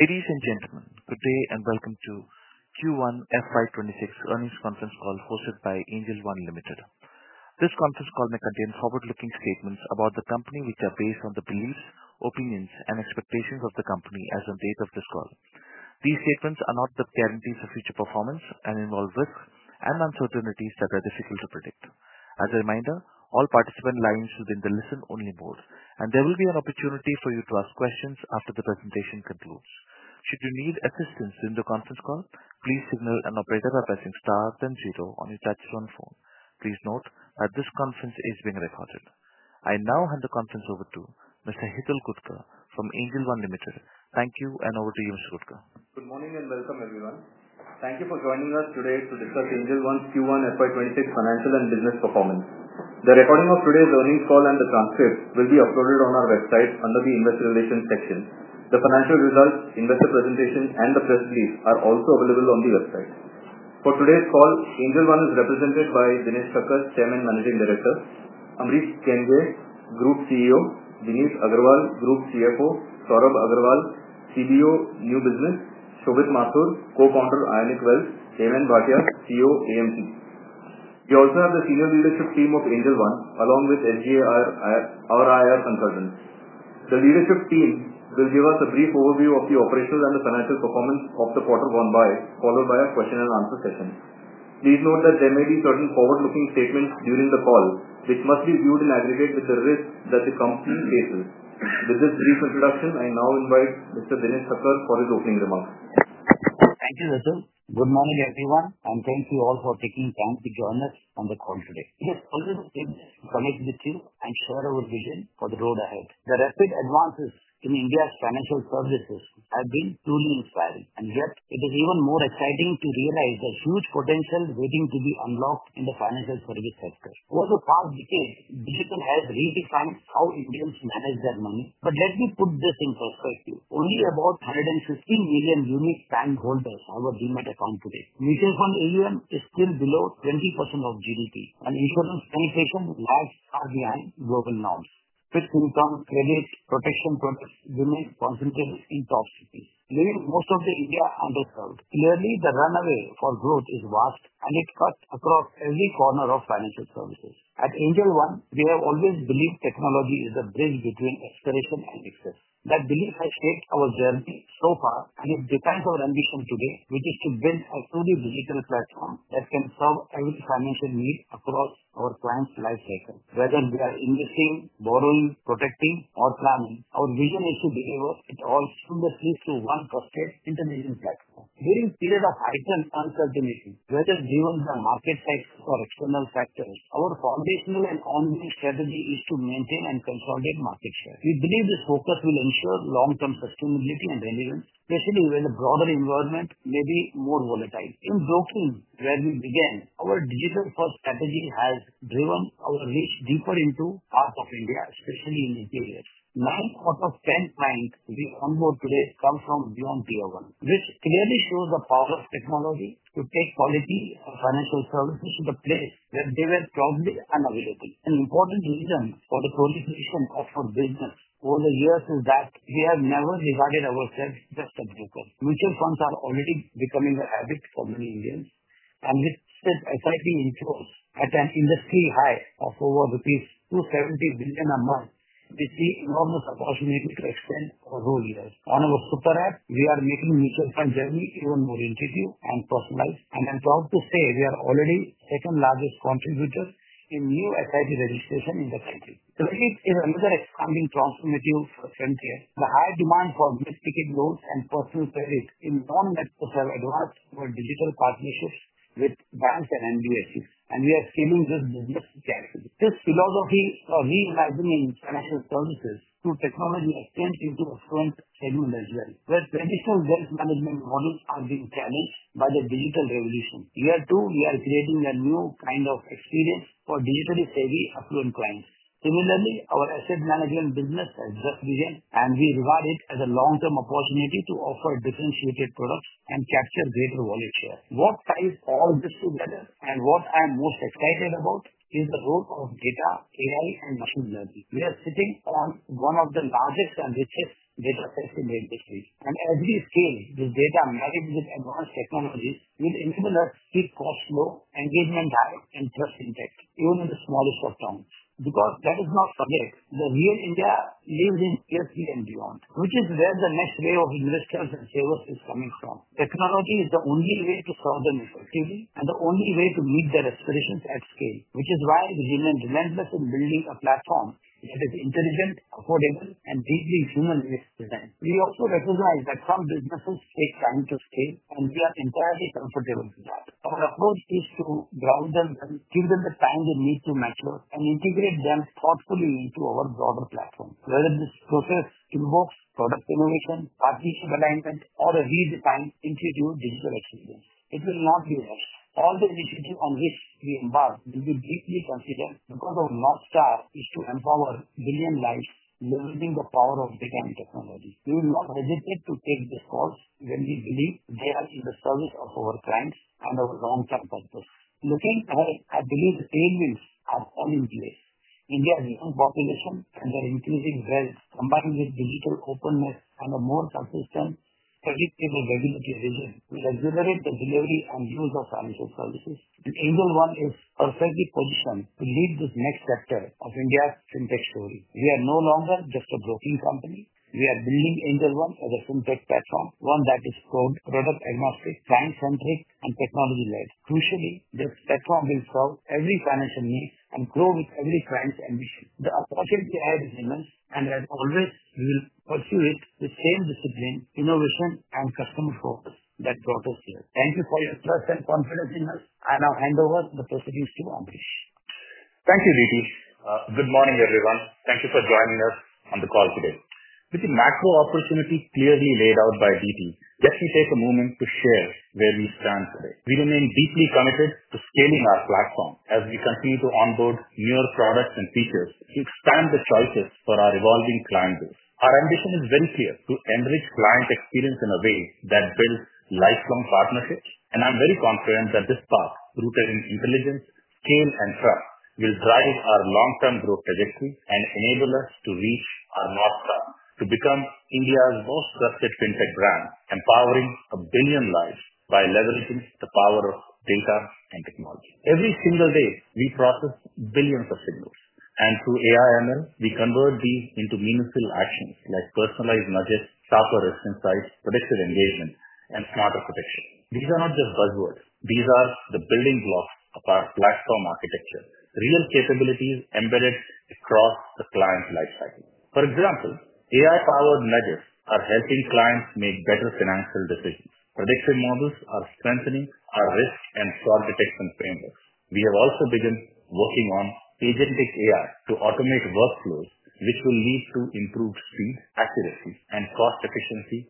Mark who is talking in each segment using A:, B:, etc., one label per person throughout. A: Ladies and gentlemen, good day, and welcome to Q1 FY 'twenty six Earnings Conference Call hosted by Angel One Limited. This conference call may contain forward looking statements about the company, which are based on the beliefs, opinions and expectations of the company as of the date of this call. These statements are not the guarantees of future performance and involve risks and uncertainties that are difficult to predict. As a reminder, all participant lines are in the listen only mode, and there will be an opportunity for you to ask questions after the presentation concludes. Please note that this conference is being recorded. I now hand the conference over to Mr. Hittal Kutkar from Angel One Limited. Thank you and over to you, Mr. Kutkar.
B: Good morning and welcome everyone. Thank you for joining us today to discuss AngelOne's Q1 FY 'twenty six financial and business performance. The recording of today's earnings call and the transcript will be uploaded on our website under the Investor Relations section. The financial results, investor presentation and the press release are also available on the website. For today's call, Angel One is represented by Dinesh Takkar, Chairman and Managing Director Amrit Kengve, Group CEO Deniz Agarwal, Group CFO Saurab Agarwal, CEO, New Business Shogit Mathur, Co Founder, IONIQ Wealth Heman Bhatia, CEO, AMG. We also have the senior leadership team of AngelOne along with SGAR, our IR consultants. The leadership team will give us a brief overview of the operational and the financial performance of the quarter gone by followed by a question and answer session. Please note that there may be certain forward looking statements during the call, which must be viewed in aggregate with the risks that the company faces. With this brief introduction, I now invite Mr. Dinesh Sakhar for his opening remarks.
C: Thank you, Rasul. Good morning, everyone, and thank you all for taking time to join us on the call today. We have also been connect with you and share our vision for the road ahead. The rapid advances in India's financial services have been truly inspiring. And yet, it is even more exciting to realize the huge potential waiting to be unlocked in the financial services sector. Over the past decade, digital has redefined how Indians manage their money. But let me put this in perspective. Only about 115,000,000 unique bank holders have a Demet account today. Mutual fund AUM is still below 20% of GDP, and insurance penetration lags are behind global norms. This income, credit protection products remain concentrated in top cities. Nearly, of the India underserved. Clearly, the runaway for growth is vast, and it cuts across every corner of financial services. At AngelOne, we have always believed technology is a bridge between expiration and excess. That belief has shaped our journey so far, and it depends on ambition today, which is to build a truly digital platform that can solve every financial need across our clients' life cycle. Whether we are investing, borrowing, protecting, or planning, our vision is to deliver it all from the three to one trusted international platform. During period of heightened uncertainty, whether given the market size or external factors, our foundational and ongoing strategy is to maintain and consolidate market share. We believe this focus will ensure long term sustainability and relevance, especially when a broader environment may be more volatile. In Broking, where we began, our digital first strategy has driven our reach deeper into part of India, especially in the areas. Nine out of 10 clients we onboard today comes from Beyond PR one, which clearly shows the power of technology to take quality of financial services to the place that they were probably unavailable. An important reason for the proliferation of our business over the years is that we have never regarded ourselves just as difficult. Mutual funds are already becoming a habit for many Indians. And with such, I think, inflows at an industry high of over rupees $270,000,000,000 a month. This is almost a possibility to extend over years. On our super app, we are making mutual fund journey even more intuitive and personalized. And I'm proud to say, we are already second largest contributor in new SIT registration in the country. So it is another expanding transformative for Frontier. The high demand for this ticket loads and personal credit in non net to serve our digital partnerships with banks and NBFC. And we are scaling this business strategy. This philosophy of reimagining financial services through technology extends into a front segment as well. But traditional wealth management models are being challenged by the digital revolution. Here too, we are creating a new kind of experience for digitally savvy affluent clients. Similarly, our asset management business has just begun, and we regard it as a long term opportunity to offer differentiated products and capture greater wallet share. What ties all this together and what I'm most excited about is the role of data, AI, and machine learning. We are sitting on one of the largest and richest data sets in the industry. And every scale, the data managed with advanced technologies will enable us to keep cost low and get in touch and check even in the smallest of towns. Because that is not subject. The real India lives in and beyond, which is where the next wave of investors and sales is coming from. Technology is the only way to solve them effectively and the only way to meet their aspirations at scale, which is why we remain relentless in building a platform that is intelligent, affordable, and deeply humanly resilient. We also recognize that some businesses take time to stay, and we are entirely comfortable with that. Our approach is to grow them and give them the time they need to mature and integrate them thoughtfully into our broader platform, whether this process involves product innovation, artificial alignment, or a redesign into digital experience. It will not be less. All the initiative on which we embark will be deeply considered because of NorthStar is to empower billion lives learning the power of big and technology. We will not hesitate to take this course when we believe they are in the service of our clients and our long term purpose. Looking ahead, I believe the payments are all in place. India's new population and they're increasing wealth combined with digital openness and a more consistent predictive availability vision. We have delivered the delivery and use of financial services. The angel one is perfectly positioned to lead this next sector of India fintech story. We are no longer just a broking company. We are building Angel One as a fintech platform, one that is called product agnostic, client centric, and technology led. Crucially, this platform will solve every financial needs and grow with every client's ambition. The opportunity has been immense, and as always, we will pursue it with same discipline, innovation, and customer focus that brought us here. Thank you for your interest and confidence in us. I now hand over the proceedings to Ambrish.
D: Thank you, Diti. Good morning, everyone. Thank you for joining us on the call today. With the macro opportunity clearly laid out by Diti, let me take a moment to share where we stand today. We remain deeply committed to scaling our platform as we continue to onboard newer products and features to expand the choices for our evolving client base. Our ambition is very clear, to enrich client experience in a way that builds lifelong partnerships, and I'm very confident that this path rooted in intelligence, scale, and trust will drive our long term growth trajectory and enable us to reach our north star to become India's most trusted fintech brand, empowering a billion lives by leveraging the power of data and technology. Every single day, we process billions of signals. And through AIML, we convert these into meaningful actions, like personalized nudges, software insights, predictive engagement, and smarter protection. These are not just buzzwords. These are the building blocks of our platform architecture. Real capabilities embedded across the client's life cycle. For example, AI powered nudges are helping clients make better financial decisions. Predictive models are strengthening our risk and fraud detection framework. We have also begun working on agentic AI to automate workflows, which will lead to improved speed, accuracy, and cost efficiency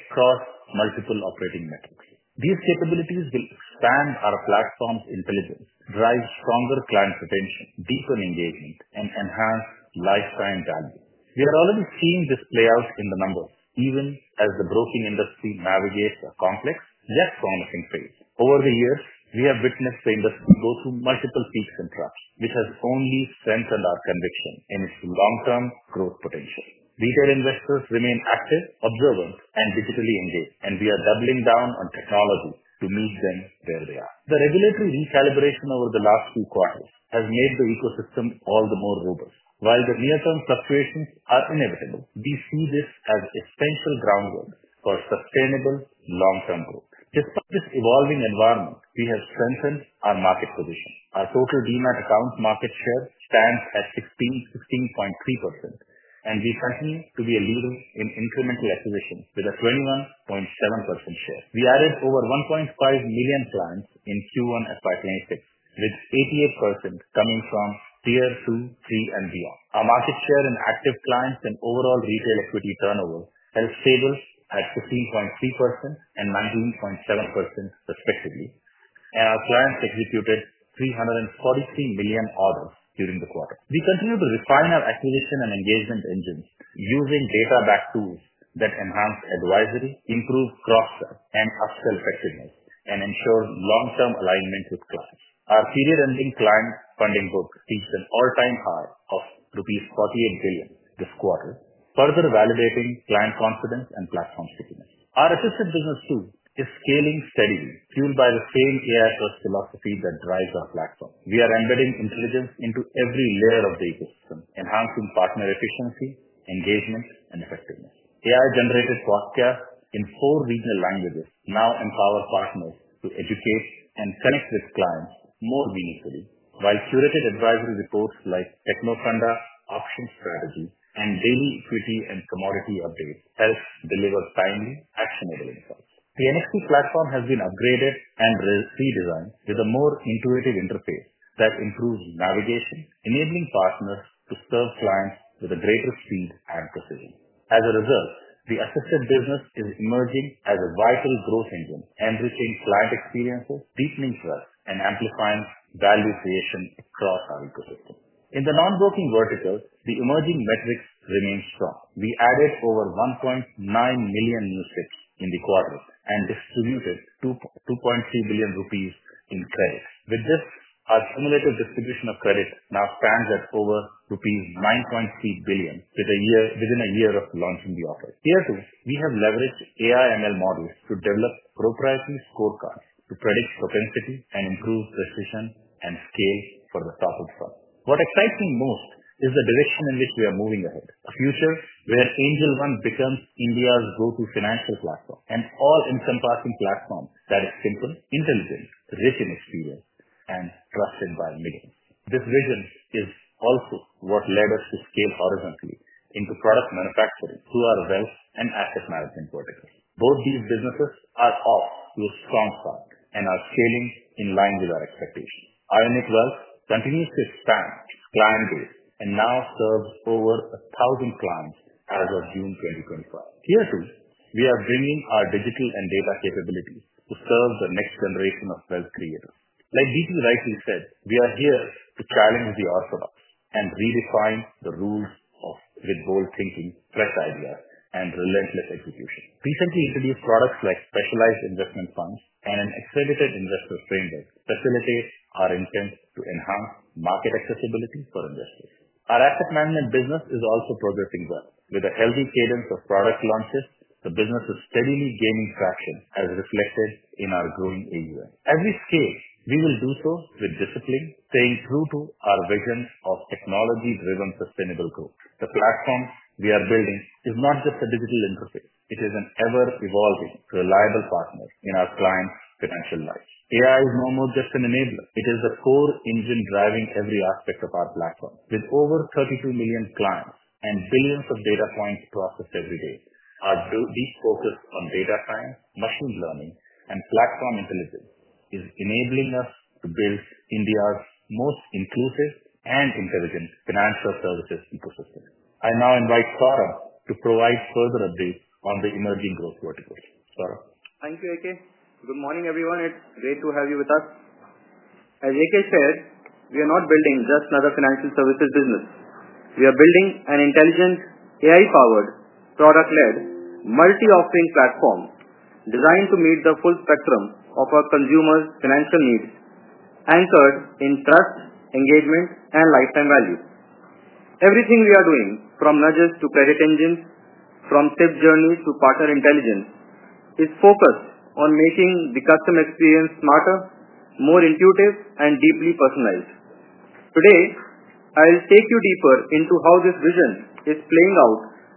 D: across multiple operating metrics. These capabilities will expand our platform's intelligence, drive stronger client retention, deepen engagement, and enhance lifetime value. We are already seeing this play out in the numbers even as the broking industry navigates a complex, yet promising phase. Over the years, we have witnessed the industry go through multiple peaks and troughs, which has only strengthened our conviction in its long term growth potential. Retail investors remain active, observant, and digitally engaged, and we are doubling down on technology to meet them where they are. The regulatory recalibration over the last two quarters has made the ecosystem all the more robust. While the near term fluctuations are inevitable, we see this as essential groundwork for sustainable long term growth. Despite this evolving environment, we have strengthened our market position. Our total Demat account market share stands at $16.16.3 percent, and we continue to be a leader in incremental acquisition with a 21.7% share. We added over 1,500,000 clients in q one FY twenty six with 88% coming from tier two, three and beyond. Our market share in active clients and overall retail equity turnover has stable at 15.319.7% respectively, and our clients executed 343,000,000 orders during the quarter. We continue to refine our acquisition and engagement engines using data backed tools that enhance advisory, improve cross sell and upsell effectiveness, and ensure long term alignment with clients. Our period ending client funding book reached an all time high of rupees 48,000,000,000 this quarter, further validating client confidence and platform stickiness. Our assisted business too is scaling steadily, fueled by the same AI plus philosophy that drives our platform. We are embedding intelligence into every layer of the ecosystem, enhancing partner efficiency, engagement, and effectiveness. AI generated podcast in four regional languages now empower partners to educate and connect with clients more meaningfully while curated advisory reports like techno funda, option strategy, and daily equity and commodity updates helps deliver timely, actionable insights. The NXT platform has been upgraded and redesigned with a more intuitive interface that improves navigation, enabling partners to serve clients with a greater speed and precision. As a result, the assisted business is emerging as a vital growth engine, enriching client experiences, deepening trust, and amplifying value creation across our ecosystem. In the non broking vertical, the emerging metrics remain strong. We added over 1,900,000 new ships in the quarter and distributed $22,300,000,000.0 rupees in credit. With this, our cumulative distribution of credit now stands at over rupees 9,300,000,000.0 with a year within a year of launching the offer. Here too, we have leveraged AIML models to develop proprietary scorecard to predict propensity and improve precision and scale for the top of the world. What excites me most is the direction in which we are moving ahead, a future where AngelOne becomes India's go to financial platform, an all encompassing platform that is simple, intelligent, rich in experience, and trusted by millions. This vision is also what led us to scale horizontally into product manufacturing through our wealth and asset management verticals. Both these businesses are off to a strong start and are scaling in line with our expectations. IONIQ Wealth continues to expand client base and now serves over a thousand clients as of June 2025. Here too, we are bringing our digital and data capabilities to serve the next generation of wealth creators. Like, D. C. Rightly said, we are here to challenge the orthodox and redefine the rules of the bold thinking, fresh idea, and relentless execution. Recently introduced products like specialized investment funds and an accelerated investor framework facilitate our intent to enhance market accessibility for investors. Our asset management business is also progressing well. With a healthy cadence of product launches, the business is steadily gaining traction as reflected in our growing AUM. As we scale, we will do so with discipline, staying true to our vision of technology driven sustainable growth. The platform we are building is not just a digital interface. It is an ever evolving, reliable partner in our clients' financial lives. AI is no more just an enabler. It is a core engine driving every aspect of our platform. With over 32,000,000 clients and billions of data points processed every day, our deep focus on data science, machine learning, and platform intelligence is enabling us to build India's most inclusive and intelligent financial services ecosystem. I now invite Saurabh to provide further updates on the emerging growth verticals. Saurabh?
E: Thank you, EK. Good morning, everyone. It's great to have you with us. As EK said, we are not building just another financial services business. We are building an intelligent AI powered, product led, multi offering platform designed to meet the full spectrum of our consumers' financial needs, anchored in trust, engagement and lifetime value. Everything we are doing from nudges to credit engines, from tip journeys to partner intelligence is focused on making the customer experience smarter, more intuitive and deeply personalized. Today, I'll take you deeper into how this vision is playing out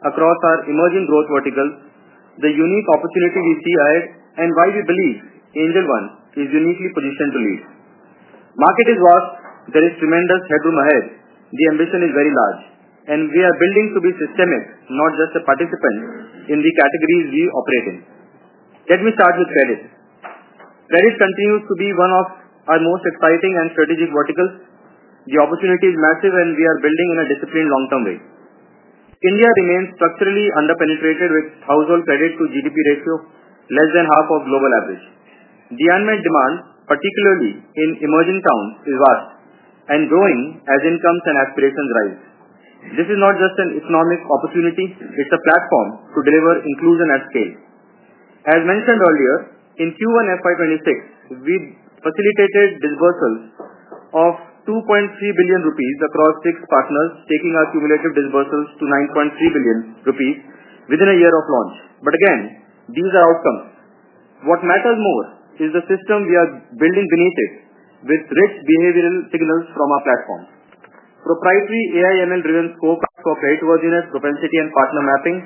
E: across our emerging growth verticals, the unique opportunity we see ahead and why we believe Angel One is uniquely positioned to lead. Market is vast. There is tremendous headroom ahead. The ambition is very large, and we are building to be systemic, not just a participant in the categories we operate in. Let me start with credit. Credit continues to be one of our most exciting and strategic verticals. The opportunity is massive, and we are building in a disciplined long term way. India remains structurally underpenetrated with household credit to GDP ratio less than half of global average. The unmet demand, particularly in emerging towns, is vast and growing as incomes and aspirations rise. This is not just an economic opportunity, it's a platform to deliver inclusion at scale. As mentioned earlier, in Q1 FY 'twenty six, we facilitated disbursals of 2,300,000,000.0 across six partners, taking our cumulative disbursals to 9,300,000,000.0 rupees within a year of launch. But again, these are outcomes. What matters more is the system we are building beneath it with rich behavioral signals from our platform. Proprietary AIML driven scorecard for creditworthiness, propensity and partner mapping,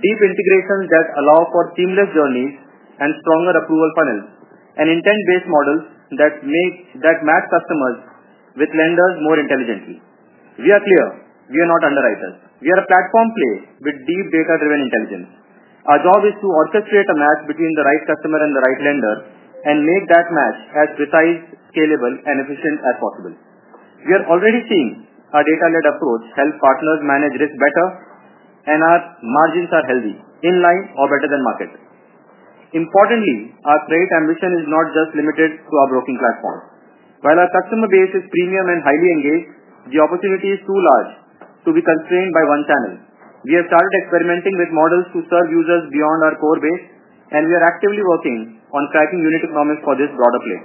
E: deep integration that allow for seamless journeys and stronger approval funnels and intent based models that make that match customers with lenders more intelligently. We are clear, we are not underwriters. We are a platform play with deep data driven intelligence. Our job is to orchestrate a match between the right customer and the right lender and make that match as precise, scalable and efficient as possible. We are already seeing our data led approach help partners manage risk better and our margins are healthy, in line or better than market. Importantly, our trade ambition is not just limited to our broking platform. While our customer base is premium and highly engaged, the opportunity is too large to be constrained by one channel. We have started experimenting with models to serve users beyond our core base, and we are actively working on tracking unit economics for this broader play.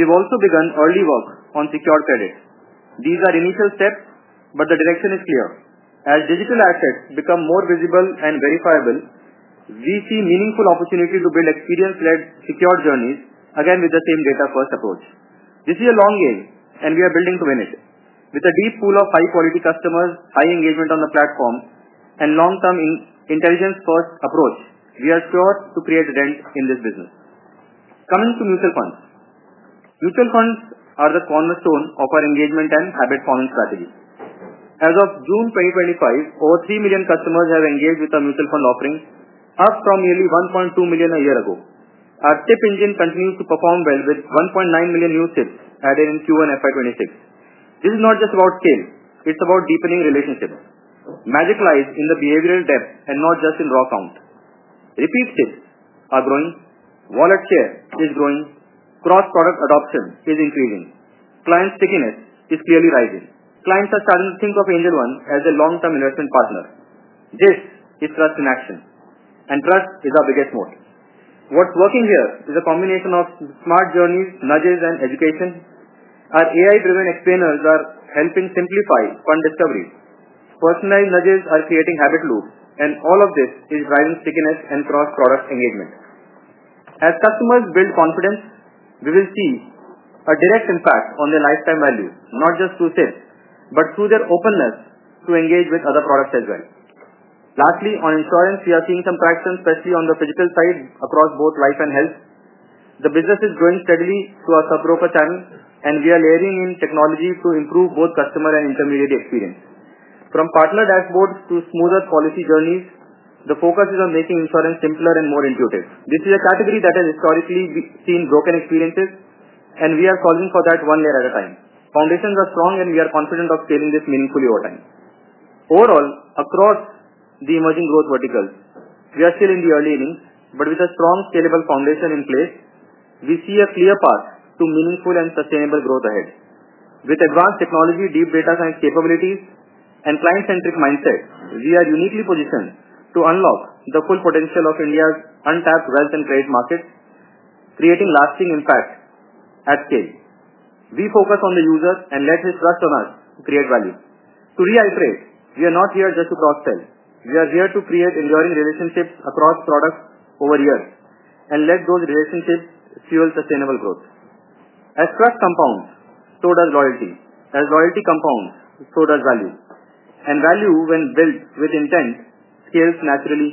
E: We've also begun early work on secured credit. These are initial steps, but the direction is clear. As digital assets become more visible and verifiable, we see meaningful opportunity to build experience led secured journeys, again, with the same data first approach. This is a long game, and we are building to win it. With a deep pool of high quality customers, high engagement on the platform and long term intelligence first approach, we are sure to create a dent in this business. Coming to mutual funds. Mutual funds are the cornerstone of our engagement and habit forming strategy. As of June 2025, over 3,000,000 customers have engaged with our mutual fund offering, up from nearly 1,200,000 a year ago. Our step engine continues to perform well with 1,900,000 new sales added in Q1 FY 'twenty six. This is not just about scale, it's about deepening relationships. Magic lies in the behavioral depth and not just in raw count. Repeat TIPs are growing, wallet share is growing, cross product adoption is increasing, client stickiness is clearly rising. Clients are starting to think of Angel One as a long term investment partner. This is trust in action, and trust is our biggest moat. What's working here is a combination of smart journeys, nudges and education. Our AI driven explainers are helping simplify fund discovery. Personalized nudges are creating habit loops, and all of this is driving stickiness and cross product engagement. As customers build confidence, we will see a direct impact on their lifetime value, not just through sales, but through their openness to engage with other products as well. Lastly, on Insurance, we are seeing some traction, especially on the physical side across both Life and Health. The business is growing steadily through our top profile, and we are layering in technology to improve both customer and intermediate experience. From partner dashboards to smoother policy journeys, the focus is on making insurance simpler and more intuitive. This is a category that has historically seen broken experiences, and we are calling for that one layer at a time. Foundations are strong, and we are confident of scaling this meaningfully over time. Overall, across the emerging growth verticals, we are still in the early innings, but with a strong scalable foundation in place, we see a clear path to meaningful and sustainable growth ahead. With advanced technology, deep data science capabilities and client centric mindset, we are uniquely positioned to unlock the full potential of India's untapped wealth and trade market, creating lasting impact at scale. We focus on the user and let his trust on us to create value. To reiterate, we are not here just to cross sell. We are here to create enduring relationships across products over years and let those relationships fuel sustainable growth. As trust compounds, so does loyalty. As loyalty compounds, so does value. And value when built with intent scales naturally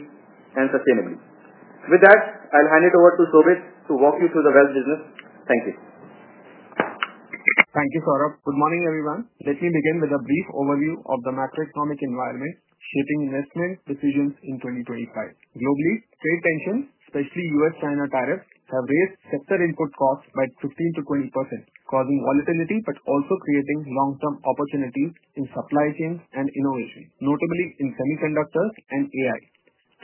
E: and sustainably. With that, I'll hand it over to Sobhit to walk you through the wealth business. Thank you.
F: Thank you, Saurabh. Good morning, everyone. Let me begin with a brief overview of the macroeconomic environment shaping investment decisions in 2025. Globally, trade tensions, especially US China tariffs have raised sector input costs by 15 to 20%, causing volatility but also creating long term opportunities in supply chains and innovation, notably in semiconductors and AI.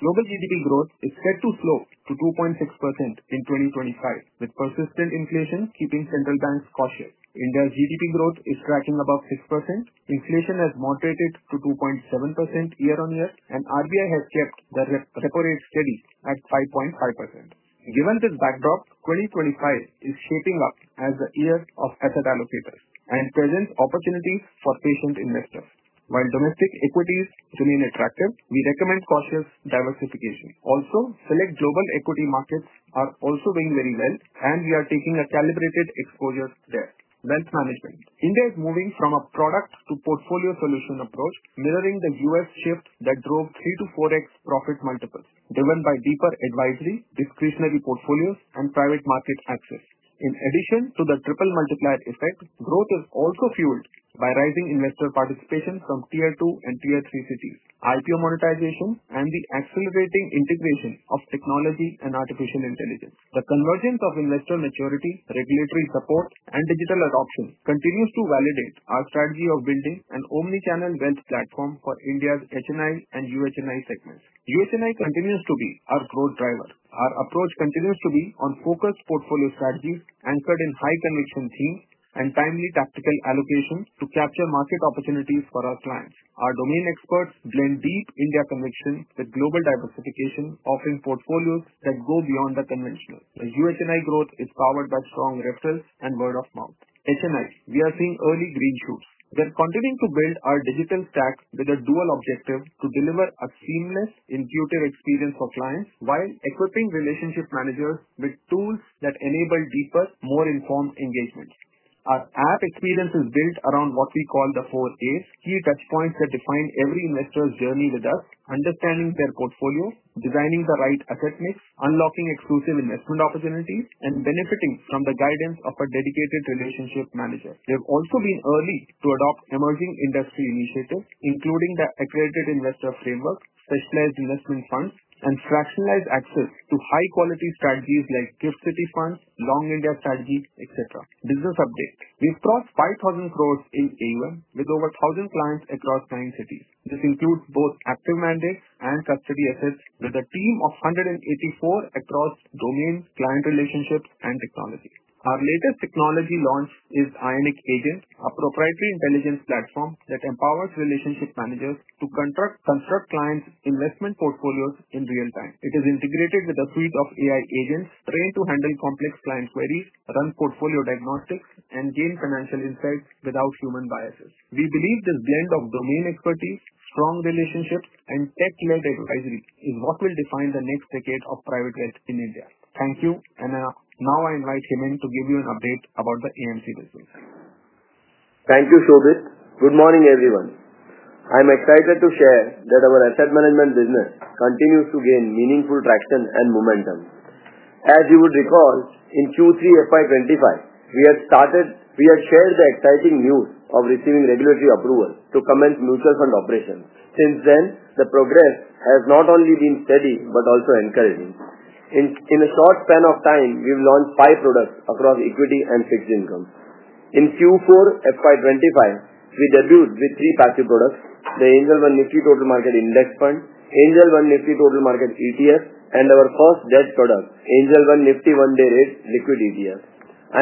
F: Global GDP growth is set to slow to 2.6% in 2025, with persistent inflation keeping central banks cautious. India's GDP growth is tracking above 6%. Inflation has moderated to 2.7% year on year, and RBI has kept the rep separate steady at 5.5%. Given this backdrop, 2025 is shaping up as a year of asset allocators and present opportunities for patient investors. While domestic equities remain attractive, we recommend cautious diversification. Also, select global equity markets are also doing very well, and we are taking a calibrated exposure there. Wealth management. India is moving from a product to portfolio solution approach, mirroring The US shift that drove three to four x profit multiples, driven by deeper advisory, discretionary portfolios, and private market access. In addition to the triple multiplier effect, growth is also fueled by rising investor participation from tier two and tier three cities, IPO monetization, and the accelerating integration of technology and artificial intelligence. The convergence of investor maturity, regulatory support, and digital adoption continues to validate our strategy of building an omnichannel wealth platform for India's HNI and UHNI segments. UHNI continues to be our growth driver. Our approach continues to be on focused portfolio strategies anchored in high conviction team and timely tactical allocation to capture market opportunities for our clients. Our domain experts blend deep in their conviction with global diversification, offering portfolios that go beyond the conventional. The US and I growth is powered by strong reference and word-of-mouth. HNI, we are seeing early green shoots. We're continuing to build our digital stack with a dual objective to deliver a seamless intuitive experience for clients while equipping relationship managers with tools that enable deeper, more informed engagement. Our app experience is built around what we call the four a's, key touch points that define every investor's journey with us, understanding their portfolio, designing the right asset mix, unlocking exclusive investment opportunities, and benefiting from the guidance of a dedicated relationship manager. They've also been early to adopt emerging industry initiatives, including the accredited investor framework, specialized investment funds, and fractionalized access to high quality strategies like gift city funds, long India strategy, etcetera. Business update. We've crossed 5,000 crores in AUM with over thousand clients across nine cities. This includes both active mandate and custody assets with a team of 184 across domain, client relationships, and technology. Our latest technology launch is Ionic Agent, a proprietary intelligence platform that empowers relationship managers to contract construct clients' investment portfolios in real time. It is integrated with a suite of AI agents trained to handle complex client queries, run portfolio diagnostics, and gain financial insights without human biases. We believe this blend of domain expertise, strong relationships and tech led advisory is what will define the next decade of private wealth in India. Thank you. And now I invite Himin to give you an update about the AMC business.
G: Thank you, Shobit. Good morning, everyone. I'm excited to share that our asset management business continues to gain meaningful traction and momentum. As you would recall, in Q3 FY 'twenty five, we had started we had shared the exciting news of receiving regulatory approval to commence mutual fund operations. Since then, the progress has not only been steady but also encouraging. In a short span of time, we've launched five products across equity and fixed income. In Q4 FY 'twenty five, we debut with three passive products, the Angel One Nifty Total Market Index Fund, Angel One Nifty Total Market ETF and our first debt product, Angel One Nifty One Day Rate Liquid ETF.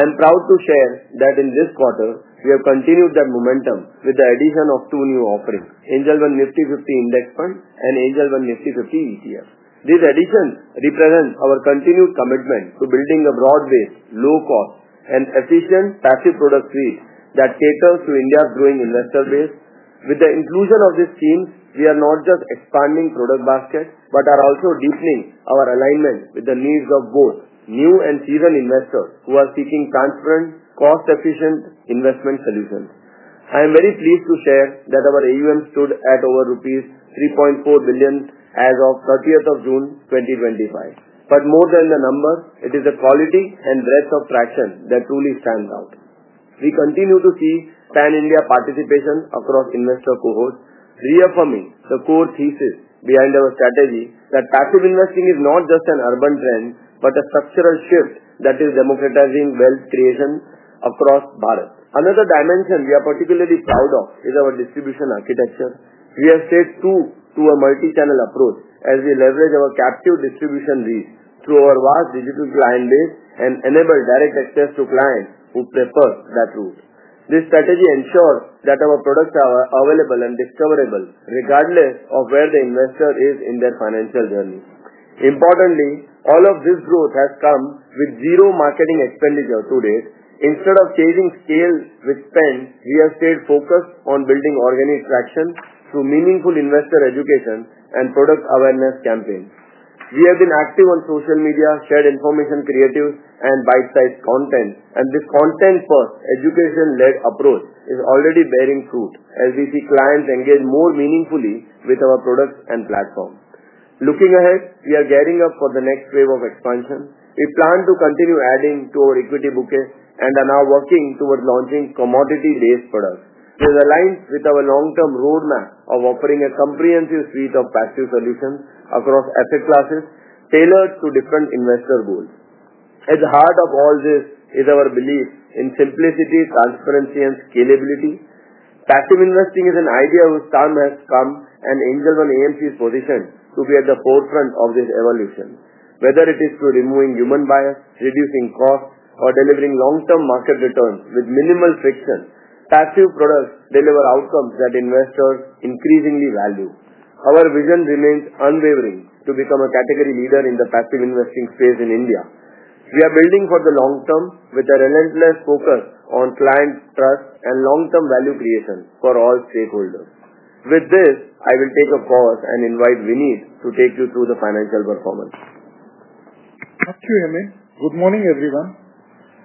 G: I'm proud to share that in this quarter, we have continued that momentum with the addition of two new offerings, Angel Nifty fifty Index Fund and Angel One Nifty fifty ETF. These additions represent our continued commitment to building a broad based, low cost and efficient passive product suite that caters to India's growing investor base. With the inclusion of this team, we are not just expanding product basket, but are also deepening our alignment with the needs of both new and seasoned investors who are seeking transparent, cost efficient investment solutions. I am very pleased to share that our AUM stood at over INR 3,400,000,000.0 as of June 30. But more than the number, it is the quality and breadth of traction that truly stands out. We continue to see PAN India participation across investor cohort, reaffirming the core thesis behind our strategy that passive investing is not just an urban trend, but a structural shift that is democratizing wealth creation across Bharat. Another dimension we are particularly proud of is our distribution architecture. We have stayed true to a multichannel approach as we leverage our captive distribution reach through our vast digital client base and enable direct access to clients who prefer that route. This strategy ensures that our products are available and discoverable regardless of where the investor is in their financial journey. Importantly, all of this growth has come with zero marketing expenditure to date. Instead of changing scale with spend, we have stayed focused on building organic traction through meaningful investor education and product awareness campaign. We have been active on social media, shared information creative and bite sized content, and this content for education led approach is already bearing fruit as we see clients engage more meaningfully with our products and platform. Looking ahead, we are gearing up for the next wave of expansion. We plan to continue adding to our equity book and are now working towards launching commodity based products. It aligns with our long term roadmap of offering a comprehensive suite of passive solutions across asset classes tailored to different investor goals. At the heart of all this is our belief in simplicity, transparency and scalability. Passive investing is an idea of a star must come and angel on AMC's position to be at the forefront of this evolution. Whether it is through removing human bias, reducing costs or delivering long term market returns with minimal friction, passive products deliver outcomes that investors increasingly value. Our vision remains unwavering to become a category leader in the passive investing space in India. We are building for the long term with a relentless focus on client trust and long term value creation for all stakeholders. With this, I will take a pause and invite Vineet to take you through the financial performance.
H: Thank you, Emme. Good morning, everyone.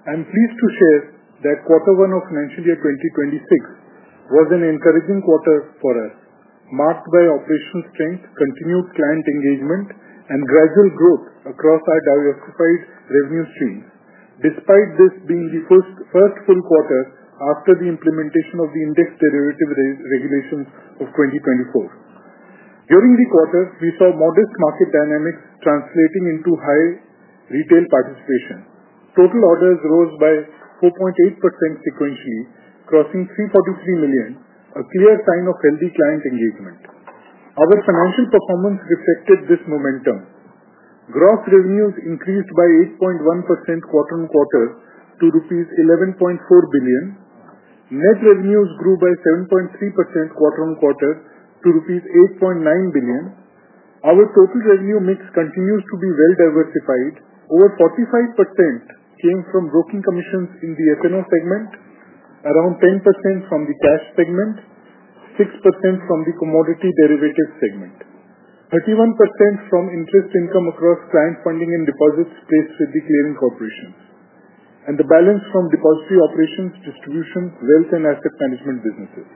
H: I'm pleased to share that quarter one of financial year 2026 was an encouraging quarter for us, marked by operational strength, continued client engagement and gradual growth across our diversified revenue streams, despite this being the first full quarter after the implementation of the index derivative regulations of 2024. During the quarter, we saw modest market dynamics translating into high retail participation. Total orders rose by 4.8% sequentially, crossing $343,000,000, a clear sign of healthy client engagement. Our financial performance reflected this momentum. Gross revenues increased by 8.1% quarter on quarter to rupees 11,400,000,000.0. Net revenues grew by 7.3% quarter on quarter to rupees 8,900,000,000.0. Our total revenue mix continues to be well diversified. Over 45% came from broking commissions in the F and O segment, around 10% from the cash segment, 6% from the commodity derivatives segment, 31% from interest income across client funding and deposits placed with the clearing corporation and the balance from depository operations, distribution, wealth and asset management businesses.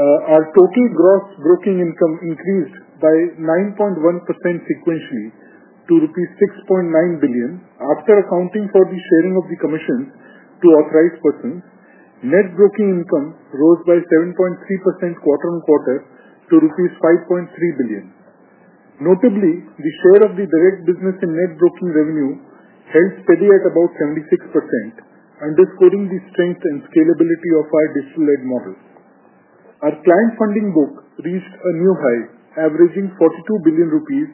H: Our total gross broking income increased by 9.1% sequentially to rupees 6,900,000,000.0 after accounting for the sharing of the commission to authorized persons, net broking income rose by 7.3% quarter on quarter to rupees 5,300,000,000.0. Notably, the share of the direct business in net broking revenue held steady at about 76%, underscoring the strength and scalability of our digital led model. Our client funding book reached a new high, averaging 42,000,000,000 rupees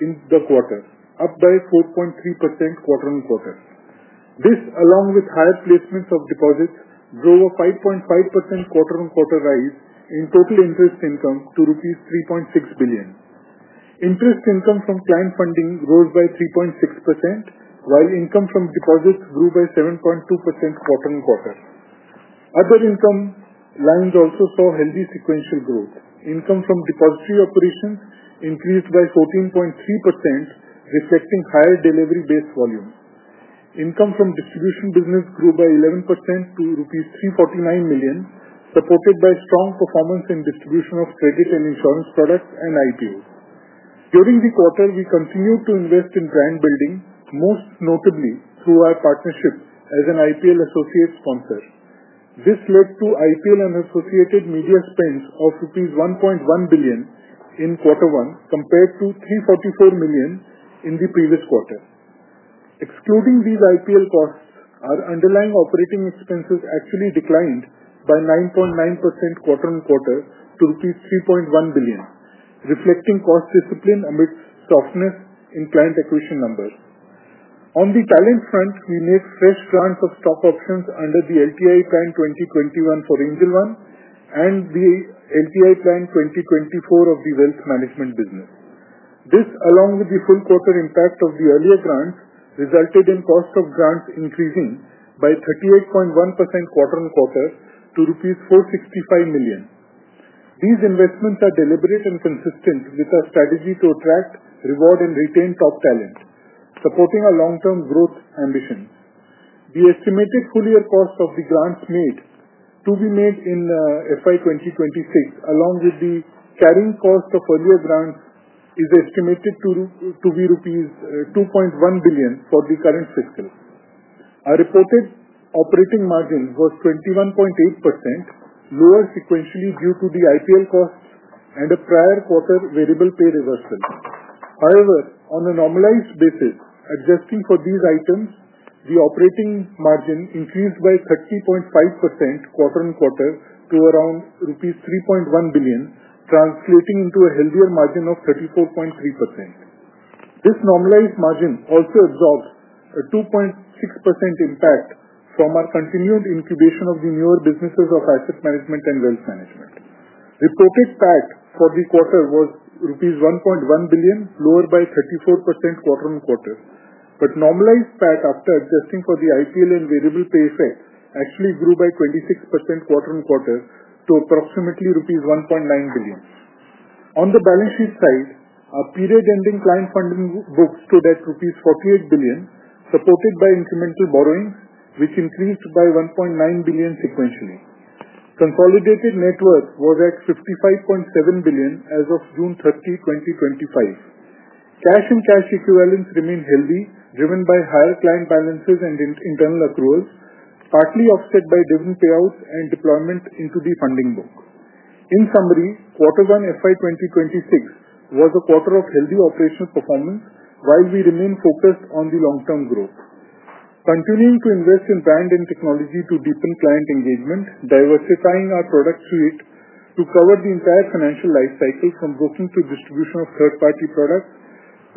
H: since the quarter, up by 4.3% quarter on quarter. This, along with higher placements of deposits, grew a 5.5% quarter on quarter rise in total interest income to rupees 3,600,000,000.0. Interest income from client funding rose by 3.6%, while income from deposits grew by 7.2% quarter on quarter. Other income lines also saw healthy sequential growth. Income from depository operations increased by 14.3%, reflecting higher delivery based volume. Income from distribution business grew by 11% to INR $349,000,000, supported by strong performance in distribution of credit and insurance products and IPO. During the quarter, we continued to invest in brand building, most notably through our partnership as an IPL associate sponsor. This led to IPL and associated media spend of rupees 1,100,000,000.0 in quarter one compared to INR $344,000,000 in the previous quarter. Excluding these IPO costs, our underlying operating expenses actually declined by 9.9% quarter on quarter to INR 3,100,000,000.0, reflecting cost discipline amidst softness in client acquisition numbers. On the talent front, we made fresh plans of stock options under the LTI Plan 2021 for Angel One and the LTI Plan 2024 of the Wealth Management business. This, along with the full quarter impact of the earlier grants, resulted in cost of grants increasing by 38.1% quarter on quarter to INR $465,000,000. These investments are deliberate and consistent with our strategy to attract, reward and retain top talent, supporting our long term growth ambition. The estimated full year cost of the grants made to be made in FY 2026, along with the carrying cost of earlier grants is estimated to be rupees 2,100,000,000.0 for the current fiscal. Our reported operating margin was 21.8%, lower sequentially due to the IPL costs and the prior quarter variable pay reversal. However, on a normalized basis, adjusting for these items, the operating margin increased by 30.5% quarter on quarter to around INR 3,100,000,000.0, translating into a healthier margin of 34.3%. This normalized margin also absorbed a 2.6% impact from our continued incubation of the newer businesses of Asset Management and Wealth Management. Reported PAT for the quarter was rupees 1,100,000,000.0, lower by 34% quarter on quarter. But normalized PAT after adjusting for the IPL and variable pay effect actually grew by 26% quarter on quarter to approximately rupees 1,900,000,000.0. On the balance sheet side, our period ending client funding book stood at rupees 48,000,000,000, supported by incremental borrowings, which increased by 1,900,000,000.0 sequentially. Consolidated net worth was at $55,700,000,000 as of 06/30/2025. Cash and cash equivalents remained healthy, driven by higher client balances and internal accruals, partly offset by dividend payouts and deployment into the funding book. In summary, quarter one FY twenty twenty six was a quarter of healthy operational performance, while we remain focused on the long term growth. Continuing to invest in brand and technology to deepen client engagement diversifying our product suite to cover the entire financial life cycle from booking to distribution of third party products,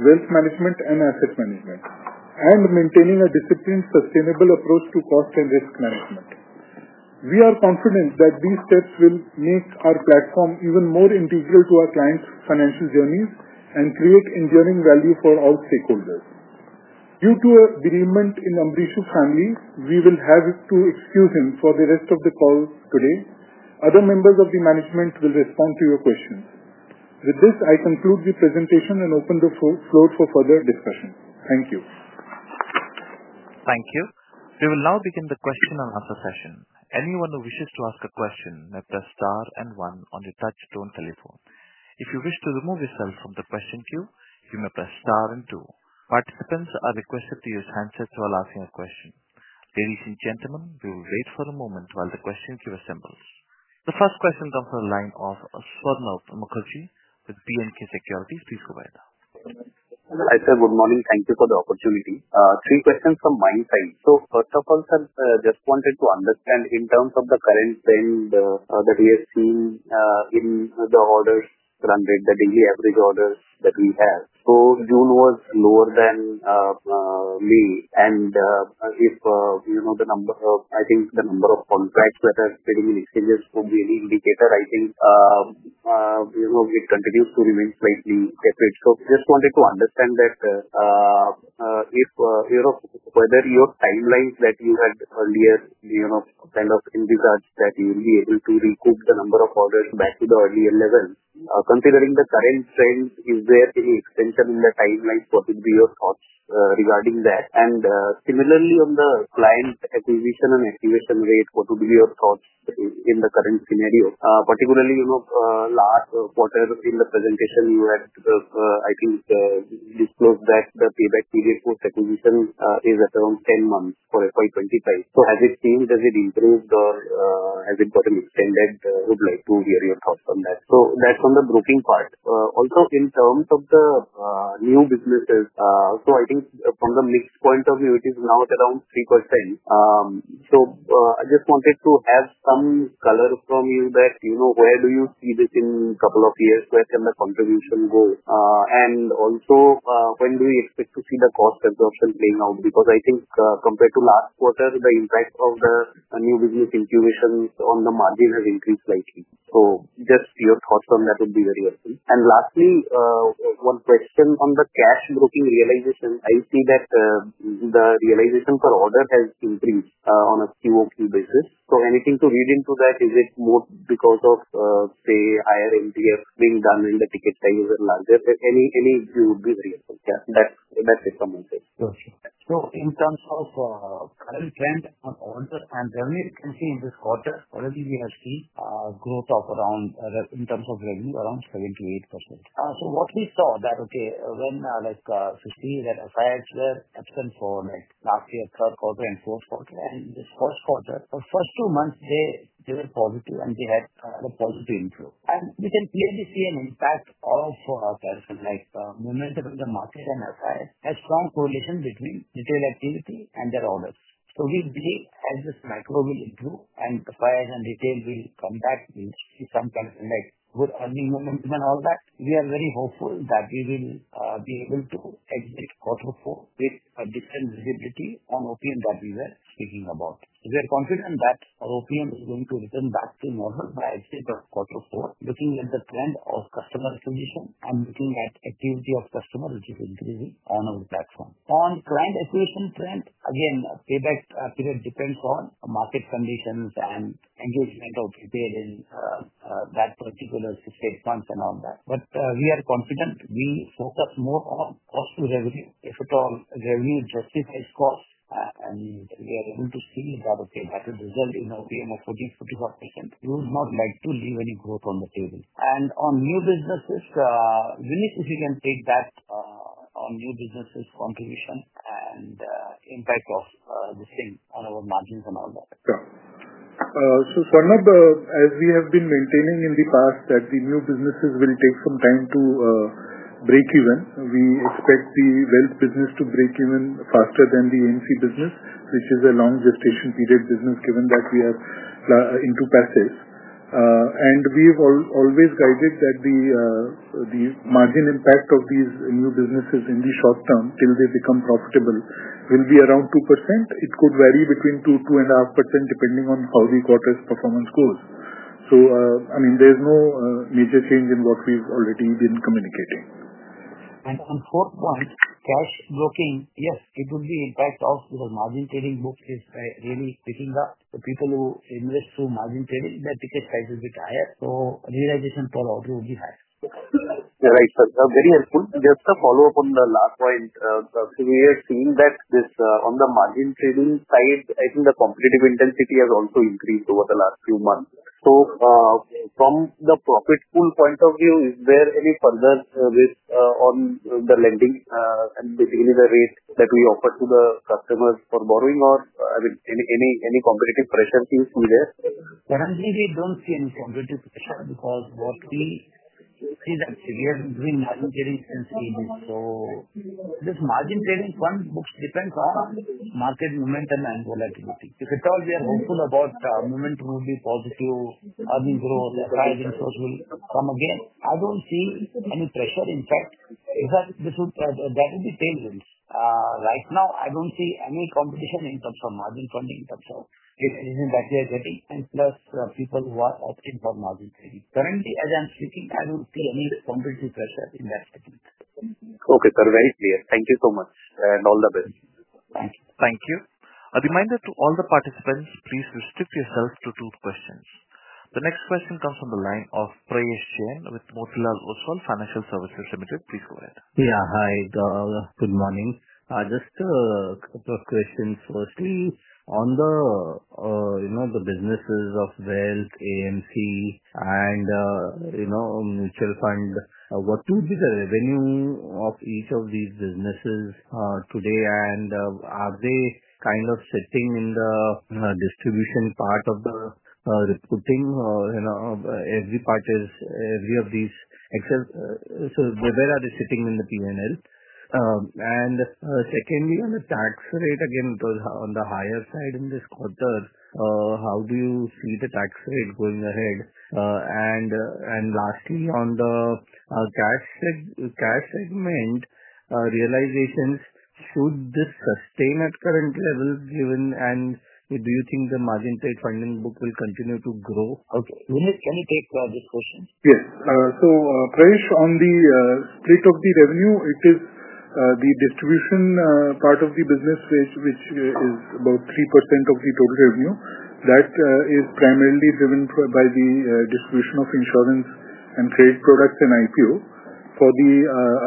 H: wealth management and asset management and maintaining a disciplined sustainable approach to cost and risk management. We are confident that these steps will make our platform even more integral to our clients' financial journeys and create enduring value for all stakeholders. Due to a bereavement in Ambrishu family, we will have to excuse him for the rest of the call today. Other members of the management will respond to your questions. With this, I conclude the presentation and open the floor for further discussion. Thank you.
A: Thank you. We will now begin the question and answer session. The first question comes from the line of Swanov Mukherjee with BNK Securities. Please go ahead.
I: Hi, sir. Good morning. Thank you for the opportunity. Three questions from my side. So first of all, sir, just wanted to understand in terms of the current trend that we have seen in the orders run rate that in the average orders that we have. So June was lower than May. And if, you know, the number of I think the number of contracts that are trading in exchanges will be an indicator, I think, it continues to remain slightly separate. So just wanted to understand that if whether your time lines that you had earlier kind of in regards that you will be able to recoup the number of orders back to the earlier level. Considering the current trends, is there any extension in the timeline, what would be your thoughts regarding that? And similarly, on the client acquisition and activation rate, what would be your thoughts in the current scenario? Particularly, you know, last quarter in the presentation, you had, I think, disclosed that the payback period for acquisition is at around ten months for FY 'twenty five. So has it changed? Does it improved? Or has it gotten extended? Would like to hear your thoughts on that. So that's on the booking part. Also, in terms of the new businesses, so I think from the mix point of view, it is now at around 3%. So I just wanted to add some color from you that, you know, where do you see this in couple of years? Where can the contribution go? And also, when do we expect to see the cost absorption playing out? Because I think compared to last quarter, the impact of the new business intuition on the margin has increased slightly. So just your thoughts on that would be very helpful. And lastly, one question on the cash booking realization. I see that realization per order has increased on a Q o Q basis. So anything to read into that? Is it more because of, the higher NPS being done in the ticket size and larger? Any any view would be very helpful. Yeah. That's that's it from my side.
C: Okay. So in terms of current trend on orders and revenue, you can see in this quarter, already we have seen growth of around in terms of revenue around seven to 8%. So what we saw that, okay, when, like, 50 that are five to seven for, like, last year, third quarter and fourth quarter. And this first quarter, the first two months, they they were positive and they had a positive inflow. And we can clearly see an impact also for our customers, like, momentum in the market and our clients has strong correlation between retail activity and their orders. So we believe as this micro will improve and the fire and retail will come back in some kind of, like, with a minimum and all that. We are very hopeful that we will be able to exit quarter four with a different visibility on OPM that we were speaking about. We are confident that OPM is going to return back to normal by exit of quarter four, looking at the trend of customer acquisition and looking at activity of customer which is increasing on our platform. On client acquisition trend, again, payback period depends on market conditions and engagement of repair in that particular six eight months and all that. But we are confident. We focus more on cost to revenue. If at all, revenue justifies cost and we are able to see that, okay, that will result in a PM of 45%. We would not like to leave any growth on the table. And on new businesses, Vinit, if you can take that on new businesses contribution and impact of the same on our margins and all that?
H: So Sournabh, as we have been maintaining in the past that the new businesses will take some time to breakeven. We expect the wealth business to breakeven faster than the E and C business, which is a long gestation period business given that we are into passage. And we've always guided that the margin impact of these new businesses in the short term till they become profitable will be around 2%. It could vary between 2%, 2.5% depending on how the quarter's performance goes. So I mean there's no major change in what we've already been communicating. And on fourth point, cash blocking, yes, it would be impact of the margin trading book is really picking up. The people who invest through margin trading, their ticket size will be higher. So realization for auto will be higher.
I: Right, sir. Very helpful. Just a follow-up on the last point. So we are seeing that this on the margin trading side, I think the competitive intensity has also increased over the last few months. So from the profit pool point of view, is there any further risk on the lending and basically the rate that we offer to the customers for borrowing or I mean, any any any competitive pressure seems to be there?
H: Currently, we don't see any competitive pressure because what we see that we are doing now in trading since. So this margin savings fund will depend on market momentum and volatility. If it's all we are hopeful about moment will be positive, I mean, growth, the price inflows will come again. I don't see any pressure in fact. Is that this would that would be payments. Right now, I don't see any competition in terms of margin funding. It isn't exactly as a thing, and plus people who are opting for margin trading. Currently, as I'm speaking, I don't see any competitive pressure in that statement.
I: Okay, sir. Very clear. Thank you so much, and all the best.
H: Thank you.
A: Thank you. A reminder to all the participants, please restrict yourself to two questions. The next question comes from the line of Prajesh Chen with Motilal Oswal Financial Services Limited. Please go Yeah.
J: Hi, good morning. Just couple of questions. Firstly, on the, you know, the businesses of wealth, AMC, and, you know, mutual fund, What would be the revenue of each of these businesses today? And are they kind of sitting in the distribution part of the recruiting or, you know, every part is every of these excess so where are they sitting in the p and l? And secondly, on the tax rate, again, was on the higher side in this quarter. How do you see the tax rate going ahead? And and lastly, on the cash check cash segment realizations, should this sustain at current level given do you think the margin rate funding book will continue to grow?
C: Okay. Puneet, can you take question?
H: Yes. So Praish, on the split of the revenue, it is the distribution part of the business, which is about 3% of the total revenue. That is primarily driven by the distribution of insurance and trade products and IPO. For the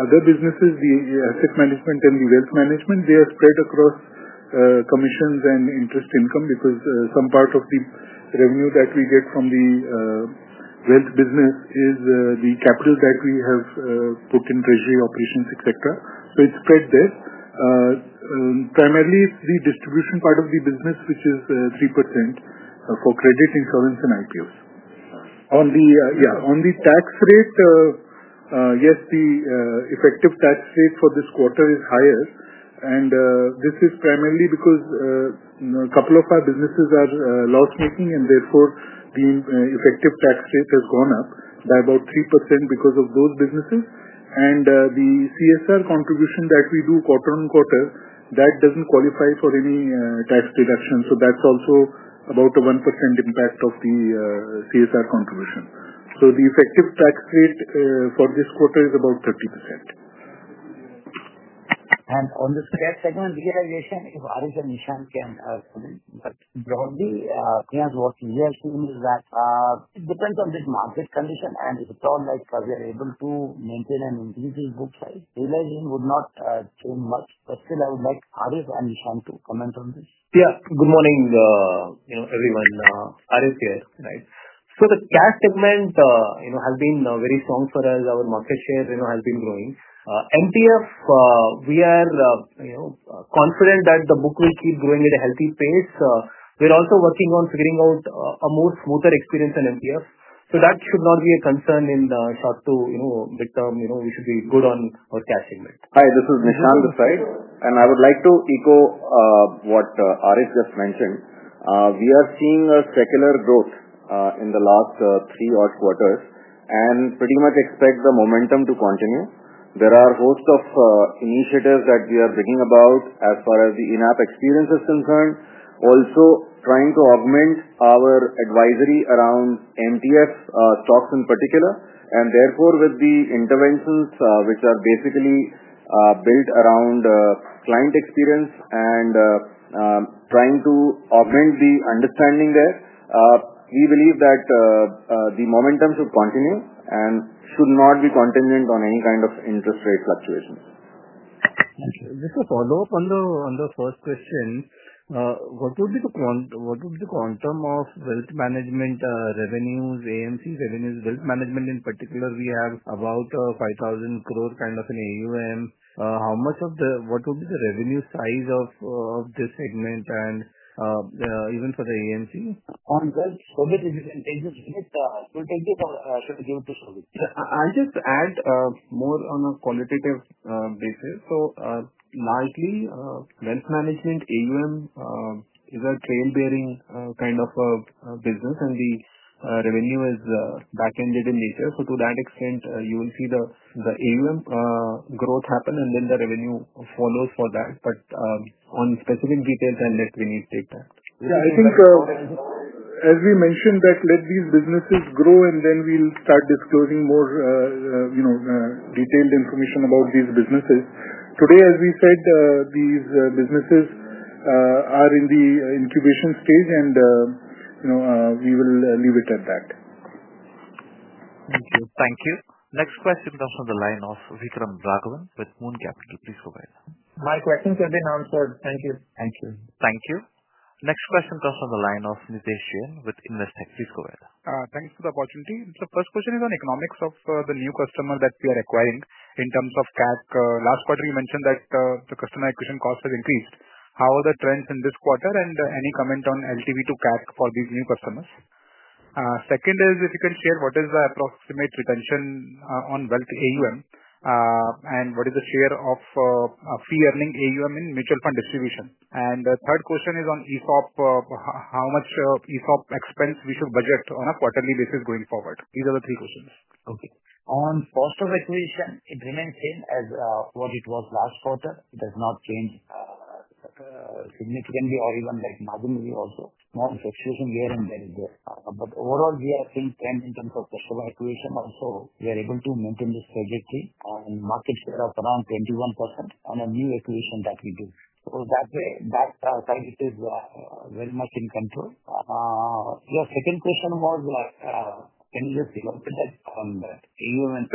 H: other businesses, the asset management and the wealth management, they are spread across commissions and interest income because some part of the revenue that we get from the wealth business is the capital that we have put in treasury operations, etcetera. So it's spread there. Primarily, it's the distribution part of the business, which is 3% for credit, insurance and IPOs. On the tax rate, yes, the effective tax rate for this quarter is higher. And this is primarily because a couple of our businesses are loss making and therefore the effective tax rate has gone up by about 3% because of those businesses. And the CSR contribution that we do quarter on quarter, that doesn't qualify for any tax deduction. So that's also about a 1% impact of the CSR contribution. So the effective tax rate for this quarter is about 30%.
C: And on the second, if Harish and Nishant can broadly, what we are seeing is that it depends on this market condition and if it's all, like, we are able to maintain and increase the book size, realizing would not change much. But still, would like Arif and Nishant to comment on this.
K: Yeah. Good morning, you know, everyone. Arif here. Right. So the cash segment, you know, has been very strong for us. Our market share, you know, has been growing. MTF, we are, you know, confident that the book will keep going at a healthy pace. We're also working on figuring out a more smoother experience than MTF. So that should not be a concern in the short to, you know, midterm, you know, we should be good on our cashing.
L: This is Nishant Desai, and I would like to echo what Aarish just mentioned. We are seeing a secular growth in the last three odd quarters and pretty much expect the momentum to continue. There are a host of initiatives that we are bringing about as far as the in app experience is concerned, also trying to augment our advisory around MTS stocks in particular. And therefore, with the interventions, which are basically built around client experience and trying to augment the understanding there, we believe that the momentum should continue and should not be contingent on any kind of interest rate fluctuations.
J: Okay. Just a follow-up on the first question. What would be the quantum of wealth management revenues, AMC revenues, wealth management in particular, we have about 5,000 crores kind of an AUM. How much of the what would be the revenue size of of this segment and even for the AMC?
C: On this, so that is it. We'll take this or should we give it to Sovi?
F: I'll just add more on a qualitative basis. So, lastly, wealth management AUM is a trail bearing kind of a business, and the revenue is back ended in nature. So to that extent, you will see the AUM growth happen and then the revenue follows for that. But on specific details, I'll let Vinit take that.
H: Yes. I think as we mentioned that let these businesses grow and then we'll start disclosing more detailed information about these businesses. Today, as we said, these businesses are in the incubation stage, and we will leave it at that.
A: Next question comes from the line of Vikram Raghavan with Moon Capital. Next question comes from the line of with Investec. Please go ahead.
M: Thanks for the opportunity. So first question is on economics of the new customer that we are acquiring in terms of CAC. Last quarter, you mentioned that customer acquisition cost has increased. How are the trends in this quarter? And any comment on LTV to CAC for these new customers? Second is if you can share what is the approximate retention on wealth AUM? And what is the share of fee earning AUM in mutual fund distribution? And the third question is on how much expense we should budget on a quarterly basis going forward? These are the three questions.
C: Okay. On cost of acquisition, it remains same as what it was last quarter. It does not change significantly or even like marginally also. More execution here and there. But overall, we are seeing trend in terms of customer acquisition also. We are able to maintain this trajectory on market share of around 21% on a new acquisition that we do. So that way that side, it is very much in control. Your second question was, like, can you just elaborate on that? You and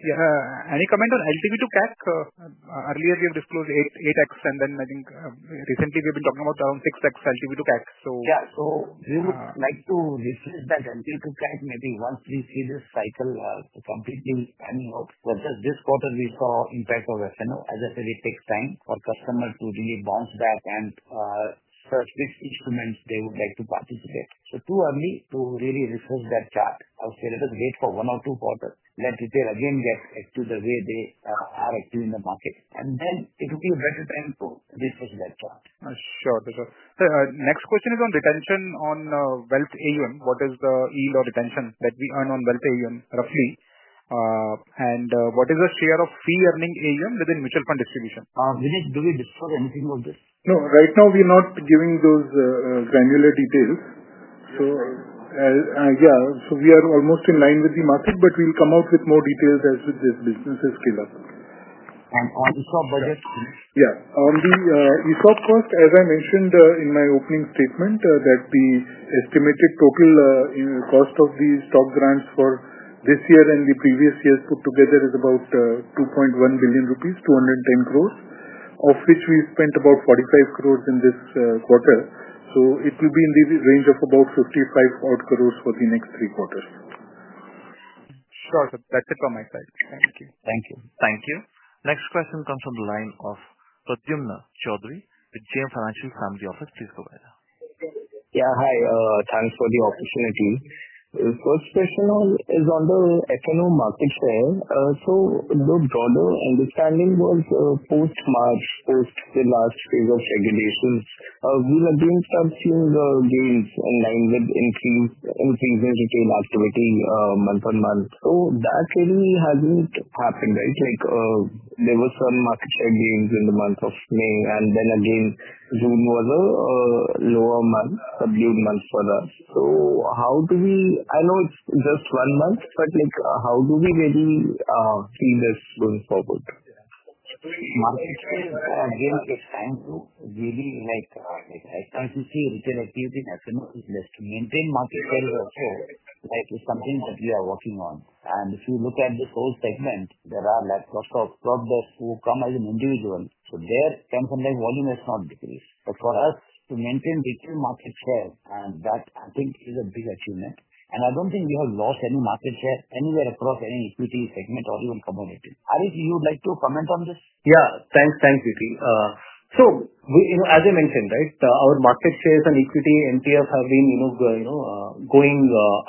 C: Yeah.
M: Any comment on LTV to CAC? Earlier, we have disclosed eight eight x, and then I think, recently, we've been talking about around six x LTV to CAC.
C: So Yeah. So we would like to discuss that until to CAC maybe once we see this cycle to completely I mean, of But this this quarter, we saw impact of f and o. As I said, it takes time for customer to really bounce back and search which instruments they would like to participate. So too early to really refresh that chart. I would say, let us wait for one or two quarters. Let it there again get to the way they are active in the market, and then it will be a better time to refresh that chart.
M: Sure, sir. Sir, next question is on retention on Wealth AUM. What is the yield or retention that we earn on Wealth AUM roughly? And what is the share of fee earning AUM within mutual fund distribution?
C: Vinit, do we disclose anything on this?
H: No. Right now, we're not giving those granular details. So yeah. So we are almost in line with the market, but we'll come out with more details as this business is scaled up.
C: And on the budget?
H: Yes. On the stock cost, as I mentioned in my opening statement that the estimated total cost of the stock grants for this year and the previous year put together is about 2,100,000,000.0, INR $2.10 crores, of which we spent about 45 crores in this quarter. So it will be in the range of about 55 odd crores for the next three quarters.
A: Next question comes from the line of Prathyamna Chaudhry with GM Financial Family Office. Please go ahead.
N: Yeah. Hi. Thanks for the opportunity. First question on is on the f and o market share. So the broader understanding was post March, post the last phase of regulations, we were doing start seeing the gains online with increase in seasonal activity month on month. So that clearly hasn't happened. Right? Like, there was some market share gains in the month of May, and then again, June was a lower month, a blue month for us. So how do we, I know it's just one month, but like, how do we really see this going forward?
C: Market share again, it's time to really, like, like, I can't see retail activity in f and o is less to maintain market share also, like, it's something that we are working on. And if you look at this whole segment, there are, like, lots of brokers who come as an individual. So there, consumption, like, volume has not decreased. But for us, to maintain the key market share, and that, I think, is a big achievement. And I don't think we have lost any market share anywhere across any equity segment or even commodity. Adi, do you like to comment on this?
K: Yeah. Thanks. Thanks, Aditi. So we you know, as I mentioned, right, our market shares and equity NPS have been, you know, going, you know, going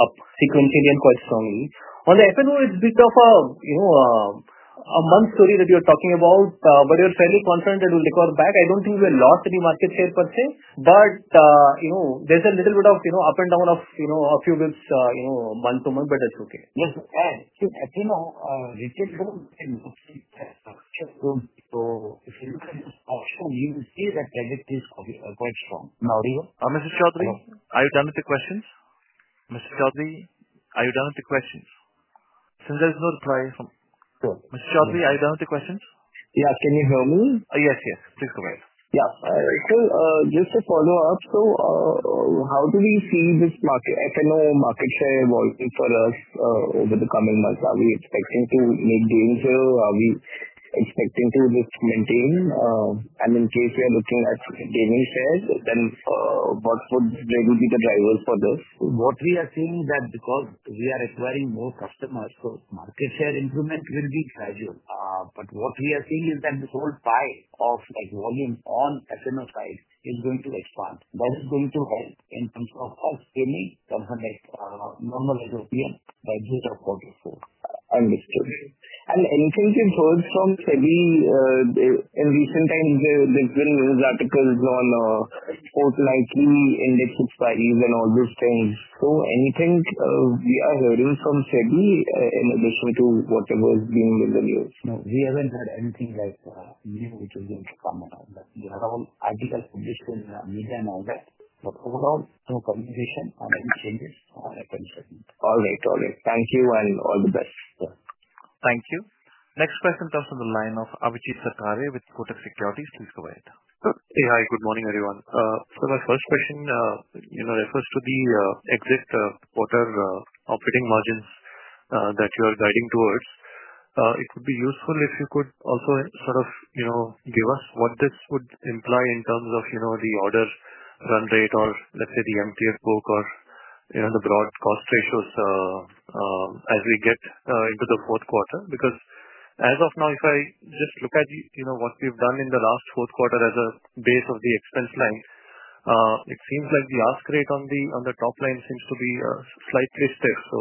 K: up sequentially and quite strongly. On the f and o, it's bit of a, you know, a month story that you're talking about, but we're fairly confident that we'll recover back. I don't think we lost any market share per se, but, you know, there's a little bit of, you know, up and down of, you know, a few bills, you know, month to month, but that's okay. You will see that debit is quite strong.
A: Now, do you Mister Chaudhry, are you done with the questions? Mister Chaudhry, are you done with the questions? Since there's no reply from Mister Chaudhry, you done with the questions?
N: Yeah. Can you hear me?
A: Yes. Yes. Please go ahead.
N: Yep. Alright. So just a follow-up. So how do we see this market f and o market share will be for us over the coming months? Are we expecting to make gains here? Are we expecting to just maintain? And in case we are looking at gaining shares, then what would they will be the drivers for this?
C: What we are seeing that because we are acquiring more customers, so market share improvement will be gradual. But what we are seeing is that this whole pie of, like, volume on f and o side is going to expand. That is going to help in terms of us any company like like normal European budget report report.
N: Understood. And anything you've heard from SEBI in recent times, there's been news articles on fortnightly index of values and all those things. So anything we are hearing from SEBI in addition to whatever is being in the news?
C: No. We haven't heard anything like new which is going to come around. They are all ideal conditions, media and all that. But overall, no compensation or any changes or I can send it.
N: Alright. Alright. Thank you, and all the best, sir.
A: Thank you. Next question comes from the line of Abhijit Sarkari with Quotek Securities.
O: Please go Hey. Hi. Good morning, everyone. So my first question, you know, refers to the exit quarter operating margins that you are guiding towards. It would be useful if you could also sort of, you know, give us what this would imply in terms of, you know, the order run rate or, let's say, the emptier book or, you know, the broad cost ratios as we get into the fourth quarter. Because as of now, if I just look at the, you know, what we've done in the last fourth quarter as a base of the expense line, it seems like the ask rate on the on the top line seems to be slightly stiff. So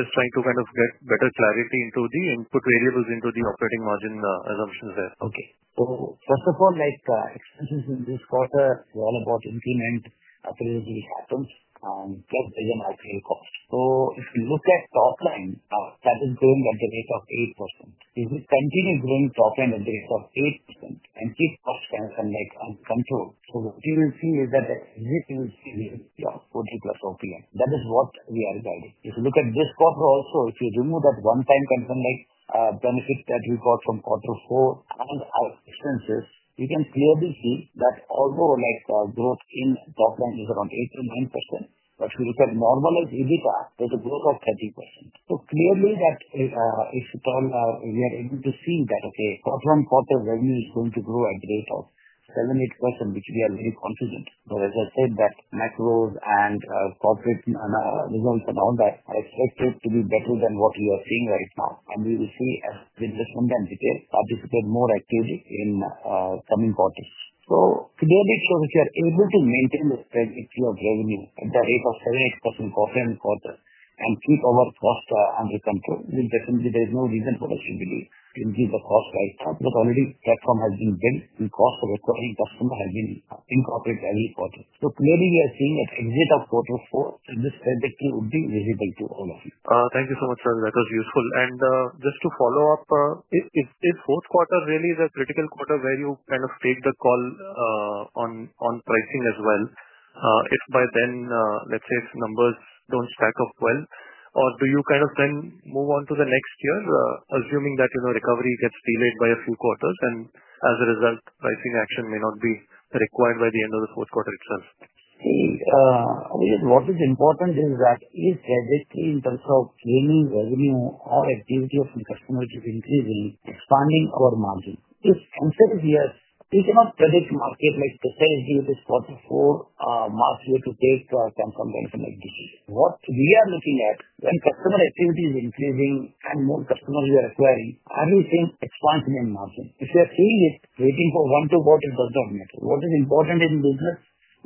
O: just trying to kind of get better clarity into the input variables into the operating margin assumptions there.
C: Okay. So first of all, like, expenses in this quarter, we're all about increment, appraisal patterns, plus the actual cost. So if you look at top line, that is going at the rate of 8%. If it continue going top end at the rate of 8% and keep cost and, like, uncontrolled, so what you will see is that the existing will see here, yeah, 40 plus OPM. That is what we are guiding. If you look at this quarter also, if you remove that one time concern, like, benefit that we got from quarter four and our expenses, you can clearly see that although, like, growth in top line is around eight to 9%. But if you look at normalized EBITDA, there's a growth of 30%. So clearly that is it all we are able to see that okay, quarter on quarter revenue is going to grow at rate of 78% which we are very confident. But as I said that macros and corporate results and all that I expect it to be better than what you are seeing right now. And we will see as the investment entity participate more active in coming quarters. So, today, make sure that you are able to maintain the strategy of revenue at the rate of 78% quarter end quarter and keep our cost under control, we definitely there is no reason for us to believe to increase the cost right now. But already platform has been built and cost of recurring customer has been in corporate every quarter. So clearly, are seeing an exit of quarter four and this transaction would be visible to all of you.
O: Thank you so much, sir. That was useful. And just to follow-up, is is fourth quarter really the critical quarter where you kind of take the call on on pricing as well? If by then, let's say, if numbers don't stack up well, or do you kind of then move on to the next year assuming that, you know, recovery gets delayed by a few quarters, and as a result, pricing action may not be required by the end of the fourth quarter itself?
C: See, what is important is that is that basically in terms of gaining revenue or activity of the customer, which is increasing, expanding our margin. If I'm saying here, we cannot predict market, like, to say, give this forty four months here to take some some information like this. What we are looking at when customer activity is increasing and more customers are acquiring, are we seeing expansion in margin? If you are seeing it, waiting for one to vote in the document. What is important in business?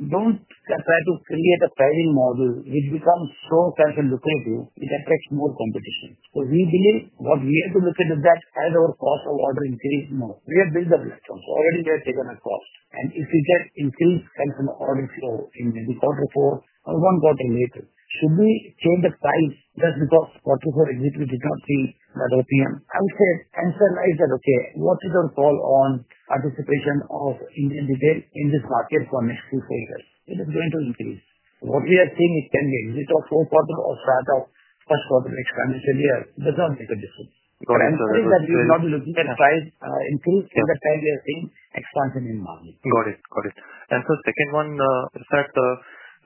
C: Don't try to create a pricing model which becomes so self indicative, it affects more competition. So we believe what we have to look at is that as our cost of order increase more. We have built the platform. So already they have taken a cost. And if you get increase customer order flow in the quarter four or one quarter later, should we change the price just because for 02/04, we did not see that OPM. I would say, answer is that okay. What is your call on participation of Indian debate in this market for next two, four years? Is it going to increase? What we are seeing is ten days. Is it a four quarter or start of first quarter expansion year? It does not make a difference.
O: Got it. Sorry.
C: That we are not looking at price increase in the time we are seeing expansion in marketing.
O: Got it. Got it. And so second one is that,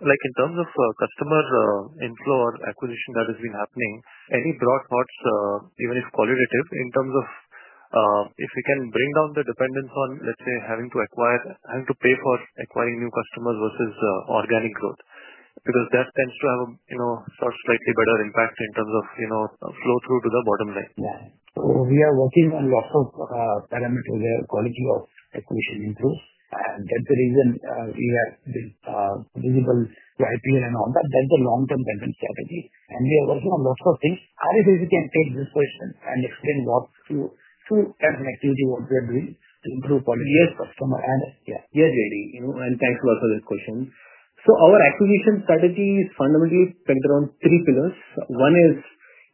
O: like, in terms of customer inflow or acquisition that has been happening, any broad thoughts, even if qualitative, in terms of if we can bring down the dependence on, let's say, having to acquire having to pay for acquiring new customers versus organic growth. Because that tends to have, you know, sort of slightly better impact in terms of, you know, flow through to the bottom line.
C: Yeah. So we are working on lots of parameter where quality of acquisition improves. That's the reason we have been visible right here and all that. That's the long term payment strategy. And we are working on lots of things. I will basically take this question and explain what to to as an activity, what we are doing to improve quality of customer and yeah.
K: Yes, JD. You know, and thanks a lot for this question. So our acquisition strategy is fundamentally centered on three pillars. One is,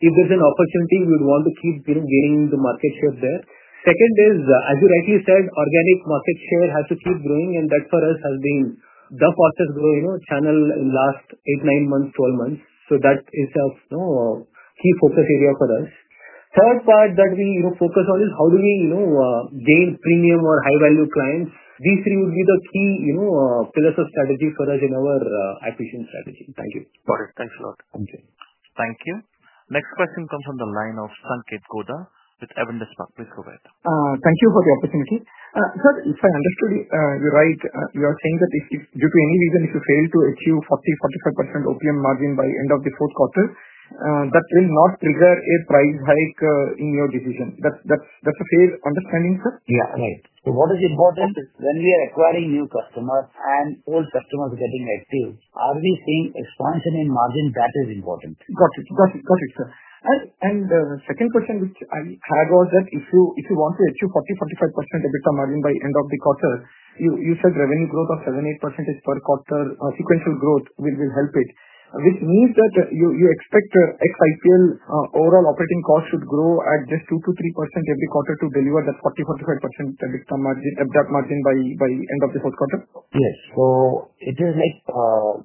K: if there's an opportunity, we'd want to keep, you know, gaining the market share there. Second is, as you rightly said, organic market share has to keep growing and that for us has been the fastest growing channel in last eight, nine months, twelve months. So that is a, you know, key focus area for us. Third part that we, you focus on is how do we, you know, gain premium or high value clients. These three will be the key, you know, pillars of strategy for us in our acquisition strategy. Thank you.
O: Got it. Thanks a lot.
A: Okay. Thank you. Next question comes from the line of Sanket Koda with. Please go ahead.
P: Thank you for the opportunity. Sir, if I understood you're right, you are saying that if if due to any reason, if you fail to achieve 45% OPM margin by end of the fourth quarter, that will not trigger a price hike in your decision. That's that's that's a fair understanding, sir.
C: Yeah. Right. So what is important is when we are acquiring new customers and old customers getting active, are we seeing expansion in margin that is important?
P: Got it. Got it. Got it, sir. And and the second question which I had was that if you if you want to achieve 45% EBITDA margin by end of the quarter, you you said revenue growth of seven, eight percentage per quarter sequential growth will will help it. Which means that you you expect the x IPL overall operating cost should grow at just two to 3% every quarter to deliver that 45% EBITDA margin by by end of the fourth quarter?
C: Yes. So it is, like,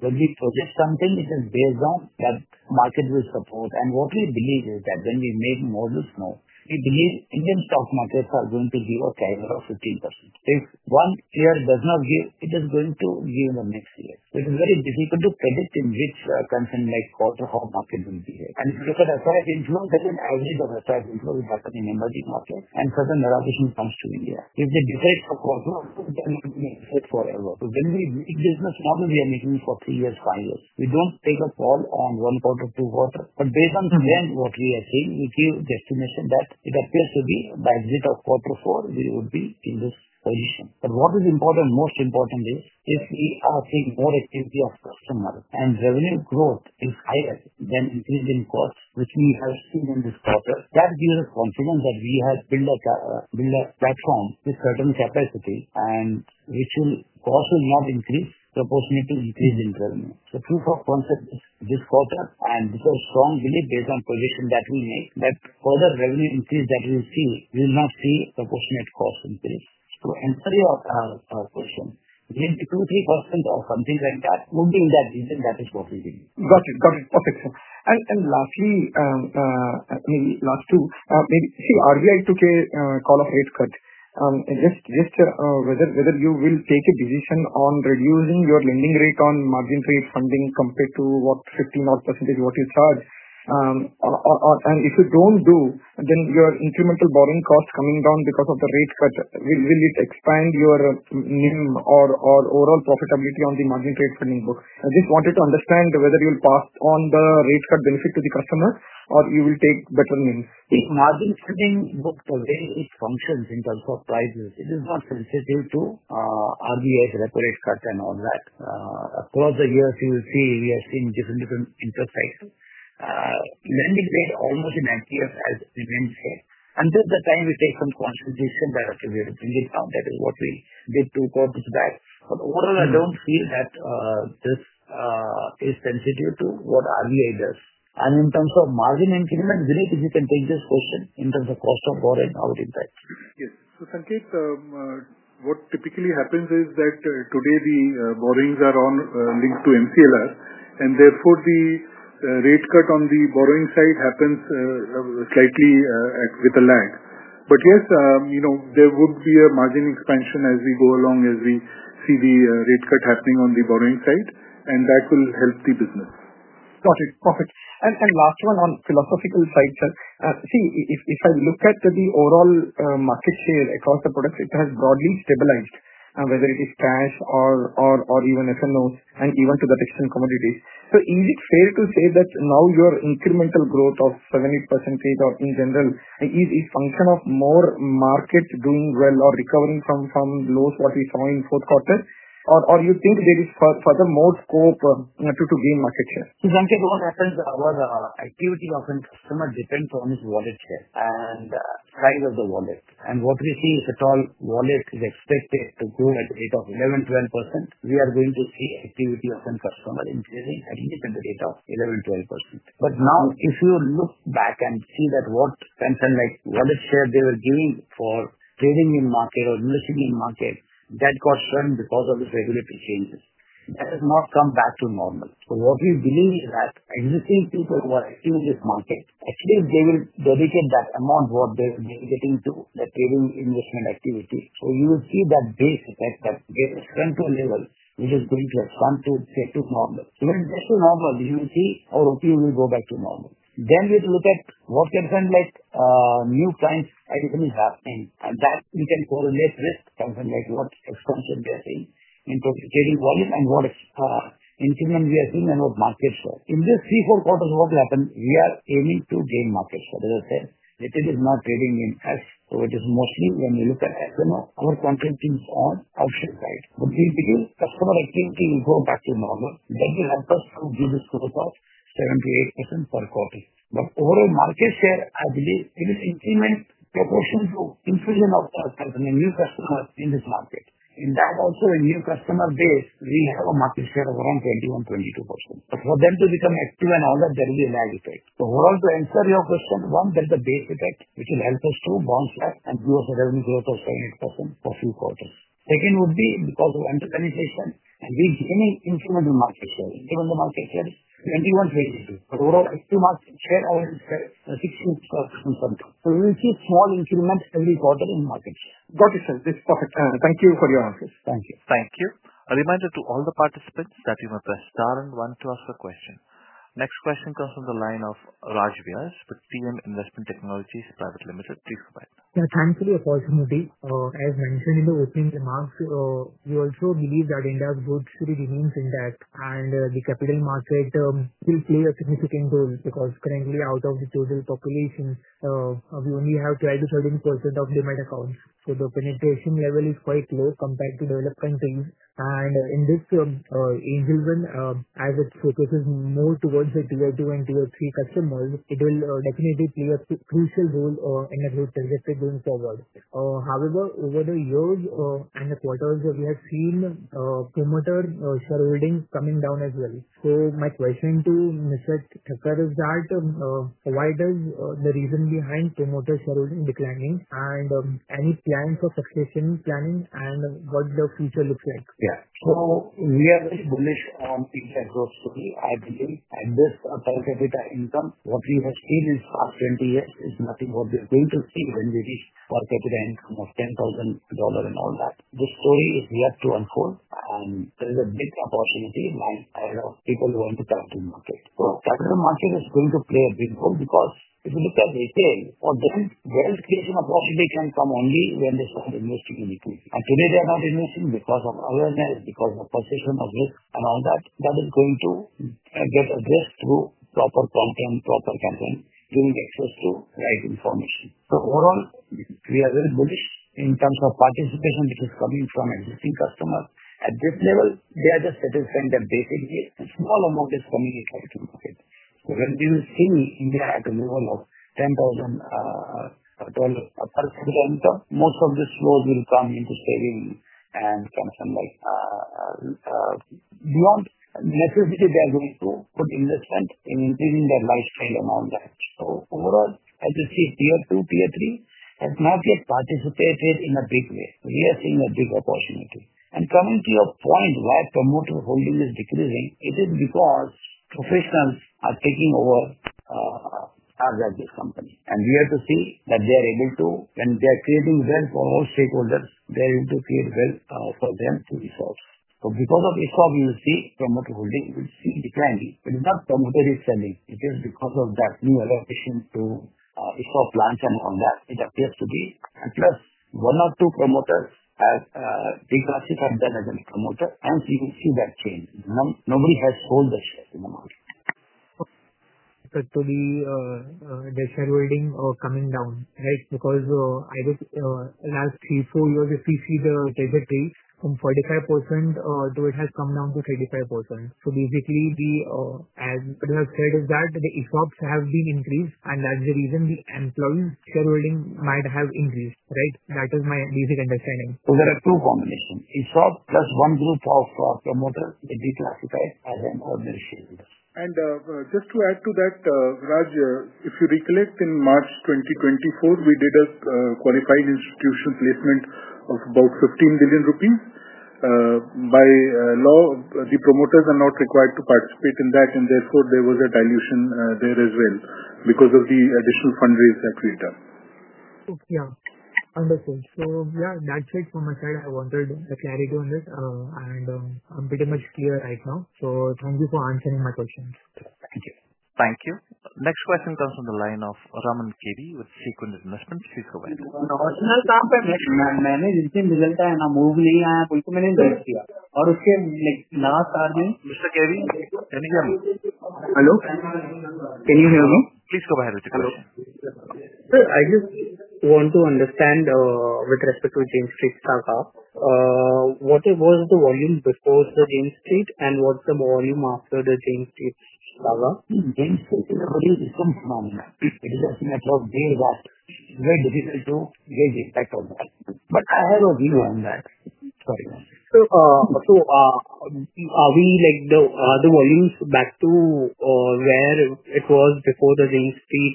C: when we project something, it is based on that market will support. And what we believe is that when we make more or more, we believe Indian stock markets are going to give a CAGR of 15%. If one year does not give, it is going to give the It is very difficult to predict in which concern, like, quarter or market will be here. And because that's what I didn't know, that's average of the entire employee, but the member is not there. And so then the other issue comes to India. If they decide for quarter, then we make it forever. So then we make business model we are making for three years, five years. We don't take a call on one quarter, two quarter. But based on the brand, what we are saying, we give destination that it appears to be by the end of quarter four, we would be in this position. But what is important most important is, if we are seeing more activity of customer and revenue growth is higher than increasing cost, which we have seen in this quarter. That gives us confidence that we have been like a build a platform with certain capacity and which will cost will not increase, the opportunity to increase in revenue. So proof of concept is this quarter and because strong belief based on position that we make that further revenue increase that we'll see, we'll not see proportionate cost increase. So answer your question. Maybe 3% or something like that would be in that region that is what we did.
P: Got it. Got it. Perfect, sir. And and lastly, maybe last two. Maybe see, are we able to call up rate cut? Just just whether whether you will take a decision on reducing your lending rate on margin rate funding compared to what 15 odd percentage what you charge? Or or or and if you don't do, then your incremental borrowing cost coming down because of the rate cut, will will it expand your NIM or or overall profitability on the margin rate spending book? I just wanted to understand whether you'll pass on the rate cut benefit to the customer or you will take better NIMs.
C: The margin spending book the way it functions in terms of prices, it is not sensitive to RBS, record rate cuts and all that. Of course, the year, you will see, we are seeing different different inter cycle. Lending paid almost in that year as we didn't say. And just the time we take some contribution that we have to bring it down. That is what we did to go to the back. But overall, I don't feel that this is sensitive to what RBI does. And in terms of margin increment, Vinit, if you can take this question in terms of cost of borrowing out in fact.
H: Yes. So, Sanket, what typically happens is that today the borrowings are on linked to MCLR, and therefore the rate cut on the borrowing side happens slightly with a lag. But yes, there would be a margin expansion as we go along as we see the rate cut happening on the borrowing side, and that will help the business.
P: Got it. Perfect. And last one on philosophical side, See, if if I look at the overall market share across the product, it has broadly stabilized, whether it is cash or or or even if you know and even to the text and commodities. So is it fair to say that now your incremental growth of 70% in general is a function of more market doing well or recovering from from lows what we saw in fourth quarter? Or or you think there is further more scope to to gain market share?
C: So, Duncan, what happens was the activity of an customer depends on his wallet share and size of the wallet. And what we see is that all wallet is expected to go at the rate of 12%. We are going to see activity of an customer increasing. I think it's in the data 12%. But now, if you look back and see that what pension, like, what is shared they were giving for trading in market or listing in market, that got churned because of this regulatory changes. That has not come back to normal. So what we believe is that existing people who are in this market, actually, they will dedicate that amount what they're getting to, the trading investment activity. So you will see that base effect that get a central level, which is going to a central level. So when this is normal, you will see all of you will go back to normal. Then we'll look at what can come, like, new clients, I think, in that thing. And that we can correlate with something like what expansion they are seeing in terms of trading volume and what is increment we are seeing in our market share. In this three, four quarters, what happened? We are aiming to gain market, sir. As I said, it is not trading in cash. So it is mostly when we look at s and o, our content teams are option side. But we'll begin customer activity will go back to normal. That will help us to do this growth of 78% per quarter. But overall market share, I believe, it is increment proportion to infusion of our customers in this market. In that also, a new customer base, we have a market share of around 21, 22%. For them to become active and all that, there will be a value pay. So we're also answering your question. One, that the base effect, which will help us to bounce back and grow the revenue growth of 78% for few quarters. Second would be because of under penetration and we're gaining incremental market share. Even the market share is twenty one twenty two. So we'll see small increments every quarter in market share.
P: Got it, sir. This is perfect. Thank you for your answers.
A: Thank you. Thank you. A reminder to all the participants that you may press star and one to ask a question. Next question comes from the line of Raj Vias with TM Investment Technologies Private Limited. Please provide.
Q: Sir, thanks for the opportunity. As mentioned in the opening remarks, we also believe that India's good should be remains in that. And the capital market will play a significant role because currently out of the total population, we only have 37% of the account. So the penetration level is quite low compared to developing. And in this, Angelman, as it focuses more towards the two zero two and tier three customers, it will definitely play a crucial role in a good trajectory going forward. However, over the years or in the quarters that we have seen promoter shareholding coming down as well. So my question to mister Takar is that why does the reason behind promoter shareholding declining? And any plans for succession planning and what the future looks like?
C: Yeah. So we are very bullish on things that growth story, I believe. And this account EBITDA income, what we have seen in past twenty years is nothing what we're going to see when we reach for the dividend of $10,000 and all that. The story is yet to unfold, and there is a big opportunity in my head of people who want to try to market. So capital market is going to play a big role because if you look at retail or then there is an opportunity can come only when they start the And today, they are not investing because of awareness, because of possession of risk and all that. That is going to get addressed through proper content, proper campaign, giving access to right information. So overall, we are very bullish in terms of participation which is coming from existing customer. At this level, they are just satisfied that basically a small amount is coming in. Okay? So when you see India had a level of $10,000 per student, most of these flows will come into saving and something like beyond necessarily, they are going to put in the spend in increasing their lifestyle amount. Overall, as you see, tier two, tier three has not yet participated in a big way. We are seeing a big opportunity. And coming to your point, why promoter holding is decreasing, it is because professionals are taking over as of this company. And we have to see that they are able to and they are creating well for all stakeholders. They are able create well for them to resolve. So because of this problem, you'll see from what we're doing, we'll see declining. It is not from what they're selling. It is because of that new allocation to install plans and all that. It appears to be plus one or two promoters have they classify them as a promoter, and we will see that change. No nobody has sold the shares in the market.
Q: But to the the shareholding or coming down. Right? Because I just last three, four years, if we see the trajectory from 45%, though it has come down to 35%. So basically, the as what you have said is that the e shops have been increased, and that's the reason the employee shareholding might have increased. Right? That is my basic understanding.
C: So there are two combinations. E shop plus one group of promoter, the declassified as an ordinary shareholder.
H: And just to add to that, Raj, if you recollect in March 2024, we did a qualified institution placement of about 15,000,000,000 rupees. By law, the promoters are not required And therefore, there was a dilution there as well because of the additional fundraise that we've done.
Q: Okay. Understood. So yes, that's it from my side. I wanted to clarify on it, and I'm pretty much clear right now. So thank you for answering my questions.
C: Thank you.
A: Thank you. Next question comes from the line of Raman Kebi with Sequium Investment. Please go ahead. Mister Kebi, can you hear me? Hello? Can you hear me? Please go ahead with your question.
R: Sir, I just want to understand with respect to James Street, Tata. What was the volume before the James Street, and what's the volume after the James Street, Nava? Game state is a very different form, ma'am. It is a matter of day one. Very difficult to get the impact on that. But I have a view on that. Sorry, ma'am.
C: So so are we, like, the the volumes back to where it was before the same speed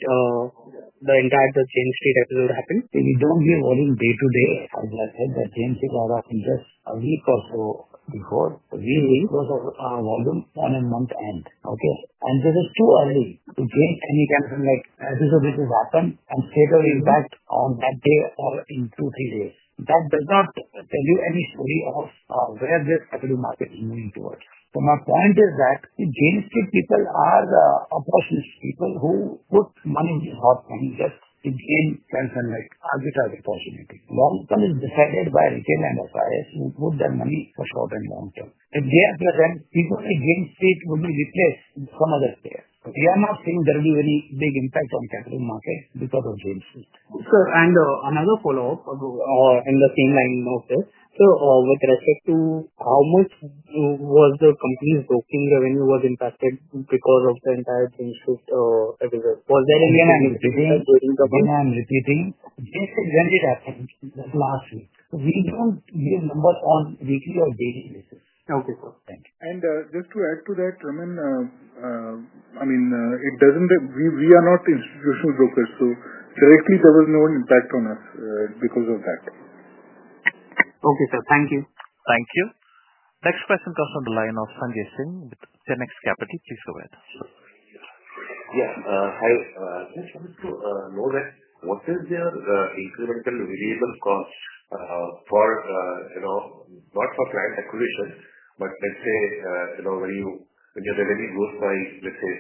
C: the entire the same speed that will happen? We don't hear volume day to day. As I said, the same speed are up in just a week or so before we because of our volume on a month end. Okay? And this is too early to get any kind of, like, as this or this has happened and settle it back on that day or in two, three days. That does not tell you any story of where this equity market is moving towards. So my point is that the gains people are opposites people who put money in the hot and just to gain concern, like, arbitrage opportunity. Long term is decided by retail and the size who put their money for short and long term. And they are present. People like GameStreet would be replaced in some other space. We are not seeing there'll be any big impact on capital market because of GameStreet.
R: Sir, and another follow-up, I'll go in the same line note, sir. So with respect to how much was the company's booking revenue was impacted because of the entire thing shift everything?
C: Was there any I'm repeating. Is when it happened last week. We don't give numbers on weekly or daily basis.
R: Okay. Thank you.
H: And just to add to that, I mean, I mean, it doesn't we we are not institutional brokers. So, directly, there was no impact on us because of that.
A: Next question comes from the line of Sanjay Singh with 10x Capital.
S: Just wanted to know that what is the incremental variable cost for, you know, not for client acquisition, but let's say, you know, when you when your revenue goes by, let's say,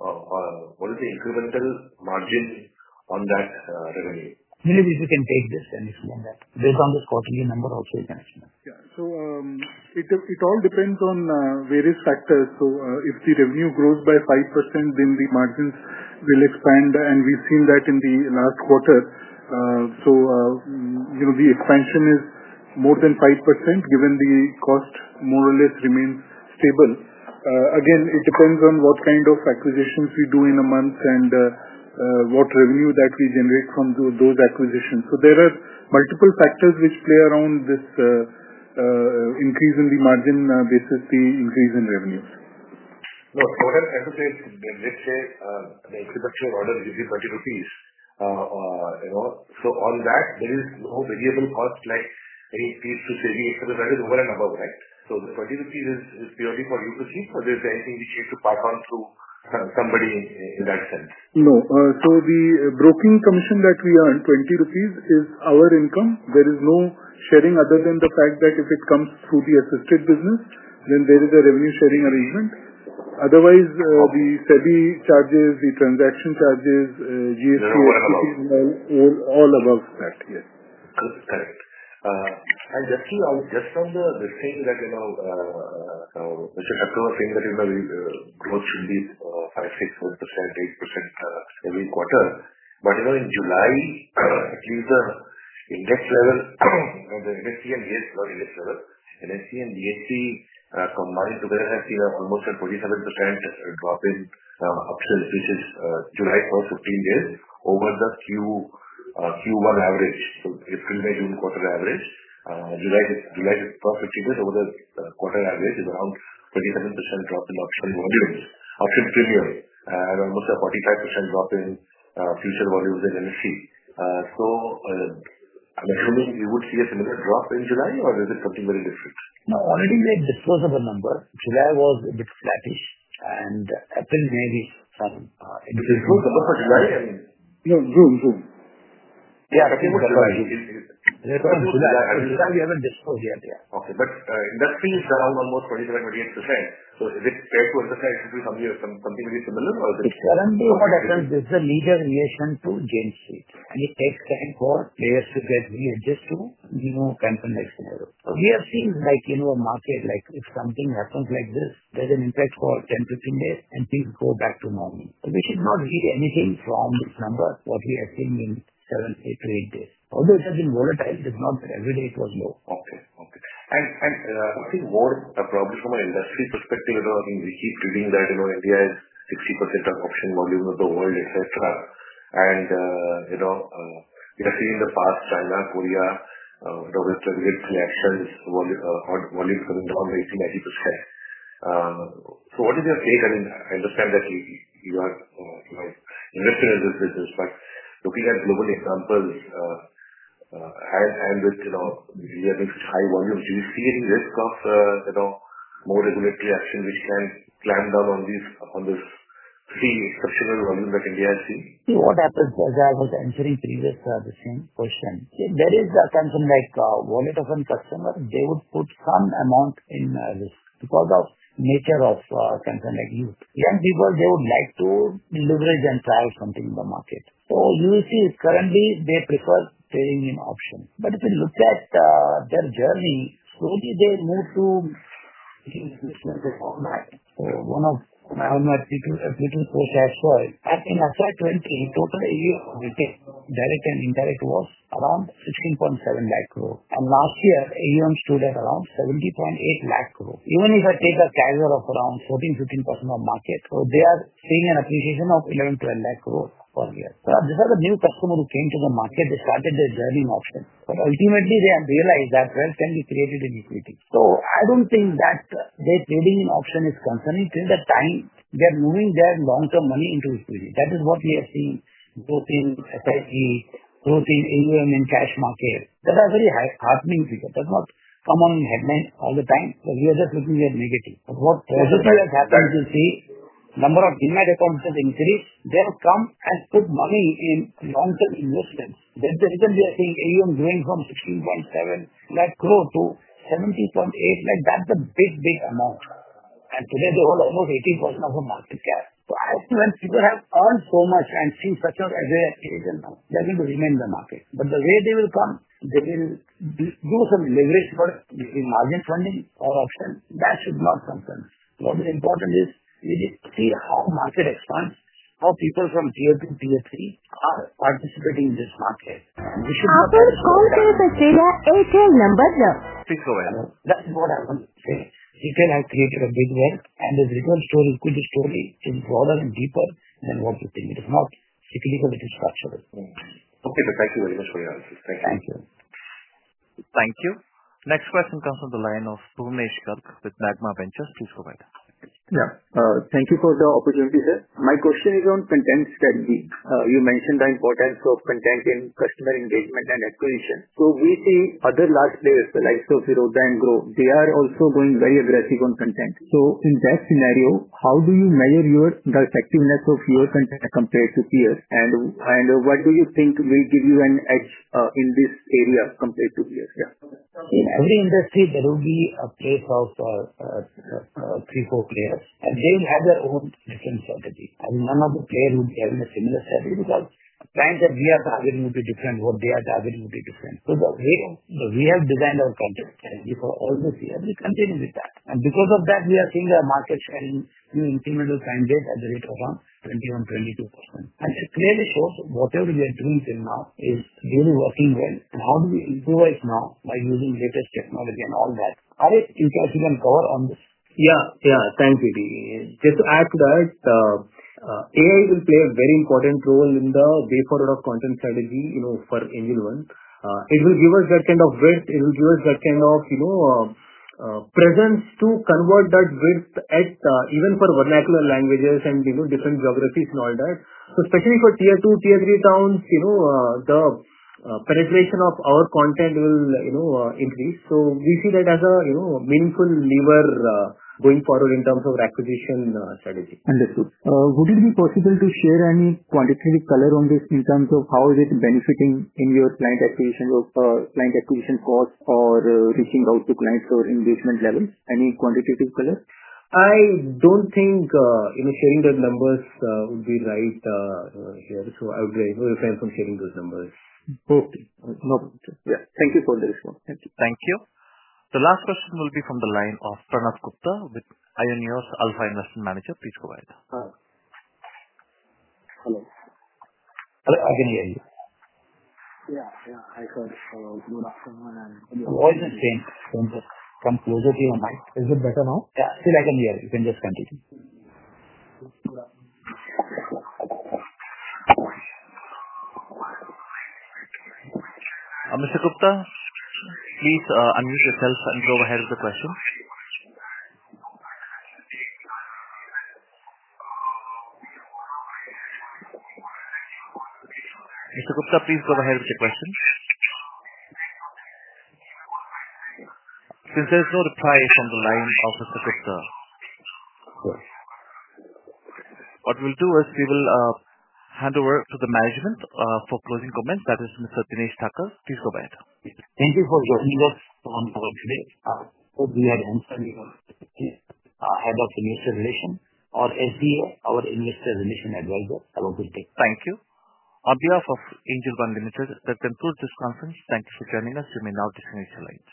S: 5%, what is the incremental margin on that revenue? Maybe if you can take this and explain that. Based on this quarterly number also, you can actually.
H: Yeah. So it all depends on various factors. So if the revenue grows by five percent, then the margins will expand, and we've seen that in the last quarter. So the expansion is more than 5%, given the cost more or less remains stable. Again, it depends on what kind of acquisitions we do in a month and what revenue that we generate from those acquisitions. So there are multiple factors which play around this increase in the margin basis, the increase in revenues.
S: Introduction order will be 30 rupees, you know. So on that, there is no variable cost like any fees to savings because that is over and above. Right? So the 30 rupees is is purely for you to see, or is there anything which you need to pass on to somebody in that sense?
H: No. So the broking commission that we earned, 20 rupees, is our income. There is no sharing other than the fact that if it comes through the assisted business, then there is a revenue sharing arrangement. Otherwise, the charges, the transaction charges, GST, all above that. Yes.
S: Good. Correct. Just on the thing that, you know, Mr. Hatra was saying that is very growth should be five, six, 4%, 8% every quarter. But, you know, in July, at least the index level, 27% drop in option volumes. Option premium and almost a 45% drop in future volumes in NFE.
H: So assuming you would see a similar drop in July or is it something very different? Okay. But that fee is around almost 27, 28%. So is it fair to understand something something to be similar or is it It's currently what I can this is a leader relation to Genesee.
C: And it takes time for players to get we adjust to, you know, cancel next year. We have seen, like, you know, a market, like, if something happens like this, there's an impact for ten to fifteen days, and things go back to normal. We should not read anything from this number, what we have seen in seven, eight, or eight days. Although it has been volatile, it's not that every day it was low.
S: Okay. Okay. And and I think more probably from an industry perspective, you know, I mean, we keep doing that, you know, India is 60% of option volume of the world, etcetera. And, you know, we have seen in the past China, Korea, double digit collections, volume volume coming down 90%. So what is your take? I mean, I understand that you you are, you know, invested in this business, but looking at global examples, I I would, you know, we have been high volumes. Do you see any risk of, you know, more regulatory action which can plan down on this on this fee exceptional volume that India has seen?
C: See, what happens, as I was answering previous, same question. There is a concern like wallet of one customer. They would put some amount in this because of nature of something like you. Yeah. People, they would like to leverage and try something in the market. So you will see, currently, they prefer paying in option. But if you look at their journey, slowly they move to I think it's not the format. So one of I'm not speaking I'm looking for that. So I think I said 20, total a year of retail direct and indirect was around 16.7 lakh crore. And last year, AUM stood at around 70.8 lakh crore. Even if I take a carrier of around 15% of market, so they are seeing an appreciation of $11.12 lakh crore for here. So these are the new customer who came to the market. They started their journey option. But ultimately, they have realized that, well, can be created in liquidity. So I don't think that they're trading in option is concerning till the time they're moving their long term money into liquidity. That is what we are seeing both in SEC, both in AUM and cash market. That are very high happening because that's not common headline all the time, but we are just looking at negative. What I just know what happened to see, number of demand accounts has increased. They will come and put money in long term investments. That's the reason we are seeing AUM going from 16.7, like, grow to 17.8. Like, that's a big big amount. And today, they're all almost 18% of the market cap. So I have to have people have earned so much and see such a direct agent now. They're going to remain in the market. But the way they will come, they will do do some leverage for the margin funding or option. That should not come then. What is important is, we just see how market expands, how people from tier two, tier three are participating in this market. You should After calling to the serial number, sir. Speak over. That's what I want to say. You can have created a big web, and the return story could be stolen and deeper than what you think. It is not cyclical, but it is structured.
S: Okay. But thank you very much for your answers.
C: Thank you.
A: Thank you. Next question comes from the line of Bhubanesh Kak with Magma Ventures. Please go ahead.
T: Yeah. Thank you for the opportunity, sir. My question is on content strategy. You mentioned the importance of content in customer engagement and acquisition. So we see other large players, like, so Heroes and Grow, they are also going very aggressive on content. So in that scenario, how do you measure your the effectiveness of your content compared to peers? And and what do you think will give you an edge in this area compared to peers? Yeah.
C: In every industry, there will be a case of three, four players, and they'll have their own different strategy. And none of the player would be having a similar strategy because clients that we are targeting will be different. What they are targeting will be different. So the way the way have designed our contract, and before all the year, we continue with that. And because of that, we are seeing the market share in new incremental time date at the rate of around 21, 22%. And it clearly shows whatever we are doing till now is really working well. And how do we do it now by using latest technology and all that? Are you guys even on this?
K: Yeah. Yeah. Thanks, Aditi. Just to add to that, AI will play a very important role in the way for the content strategy, you know, for anyone. It will give us that kind of risk. It will give us that kind of, you know, presence to convert that risk at even for vernacular languages and, you know, different geographies and all that. So especially for tier two, tier three towns, you know, the penetration of our content will, you know, increase. So we see that as a, you know, meaningful lever going forward in terms of acquisition strategy.
T: Understood. Would it be possible to share any quantitative color on this in terms of how is it benefiting in your client acquisition of client acquisition cost or reaching out to clients or engagement level? Any quantitative color?
K: I don't think, you know, sharing those numbers would be right here. So I would like to refrain from sharing those numbers.
T: Okay. No problem, sir.
K: Yeah. Thank you for the response.
T: Thank you.
A: Thank you. The last question will be from the line of Pranath Gupta with Ioneos Alpha Investment Manager. Please go ahead.
U: Hello.
A: Hello. I can hear you.
U: Yeah. Yeah. I heard. Hello. Good afternoon.
A: The voice is same.
U: Thank you. Come closer to your mic. Is it better now?
A: Yeah. Still, can hear you. You can just continue. Mister Gupta, please unmute yourself and go ahead with the question. Mister Gupta, please go ahead with your question. Since there's no reply from the line of mister Gupta Okay. What we'll do is we will hand over to the management for closing comments. That is mister Tinesh Tucker. Please go ahead.
C: Thank you for joining us on call today. I hope you have answered me on behalf of the minister relation or SDA, our investor relation adviser. Have a good day.
A: Thank you. On behalf of Angel Fund Limited, that concludes this conference. Thank you for joining us. You may now disconnect your lines.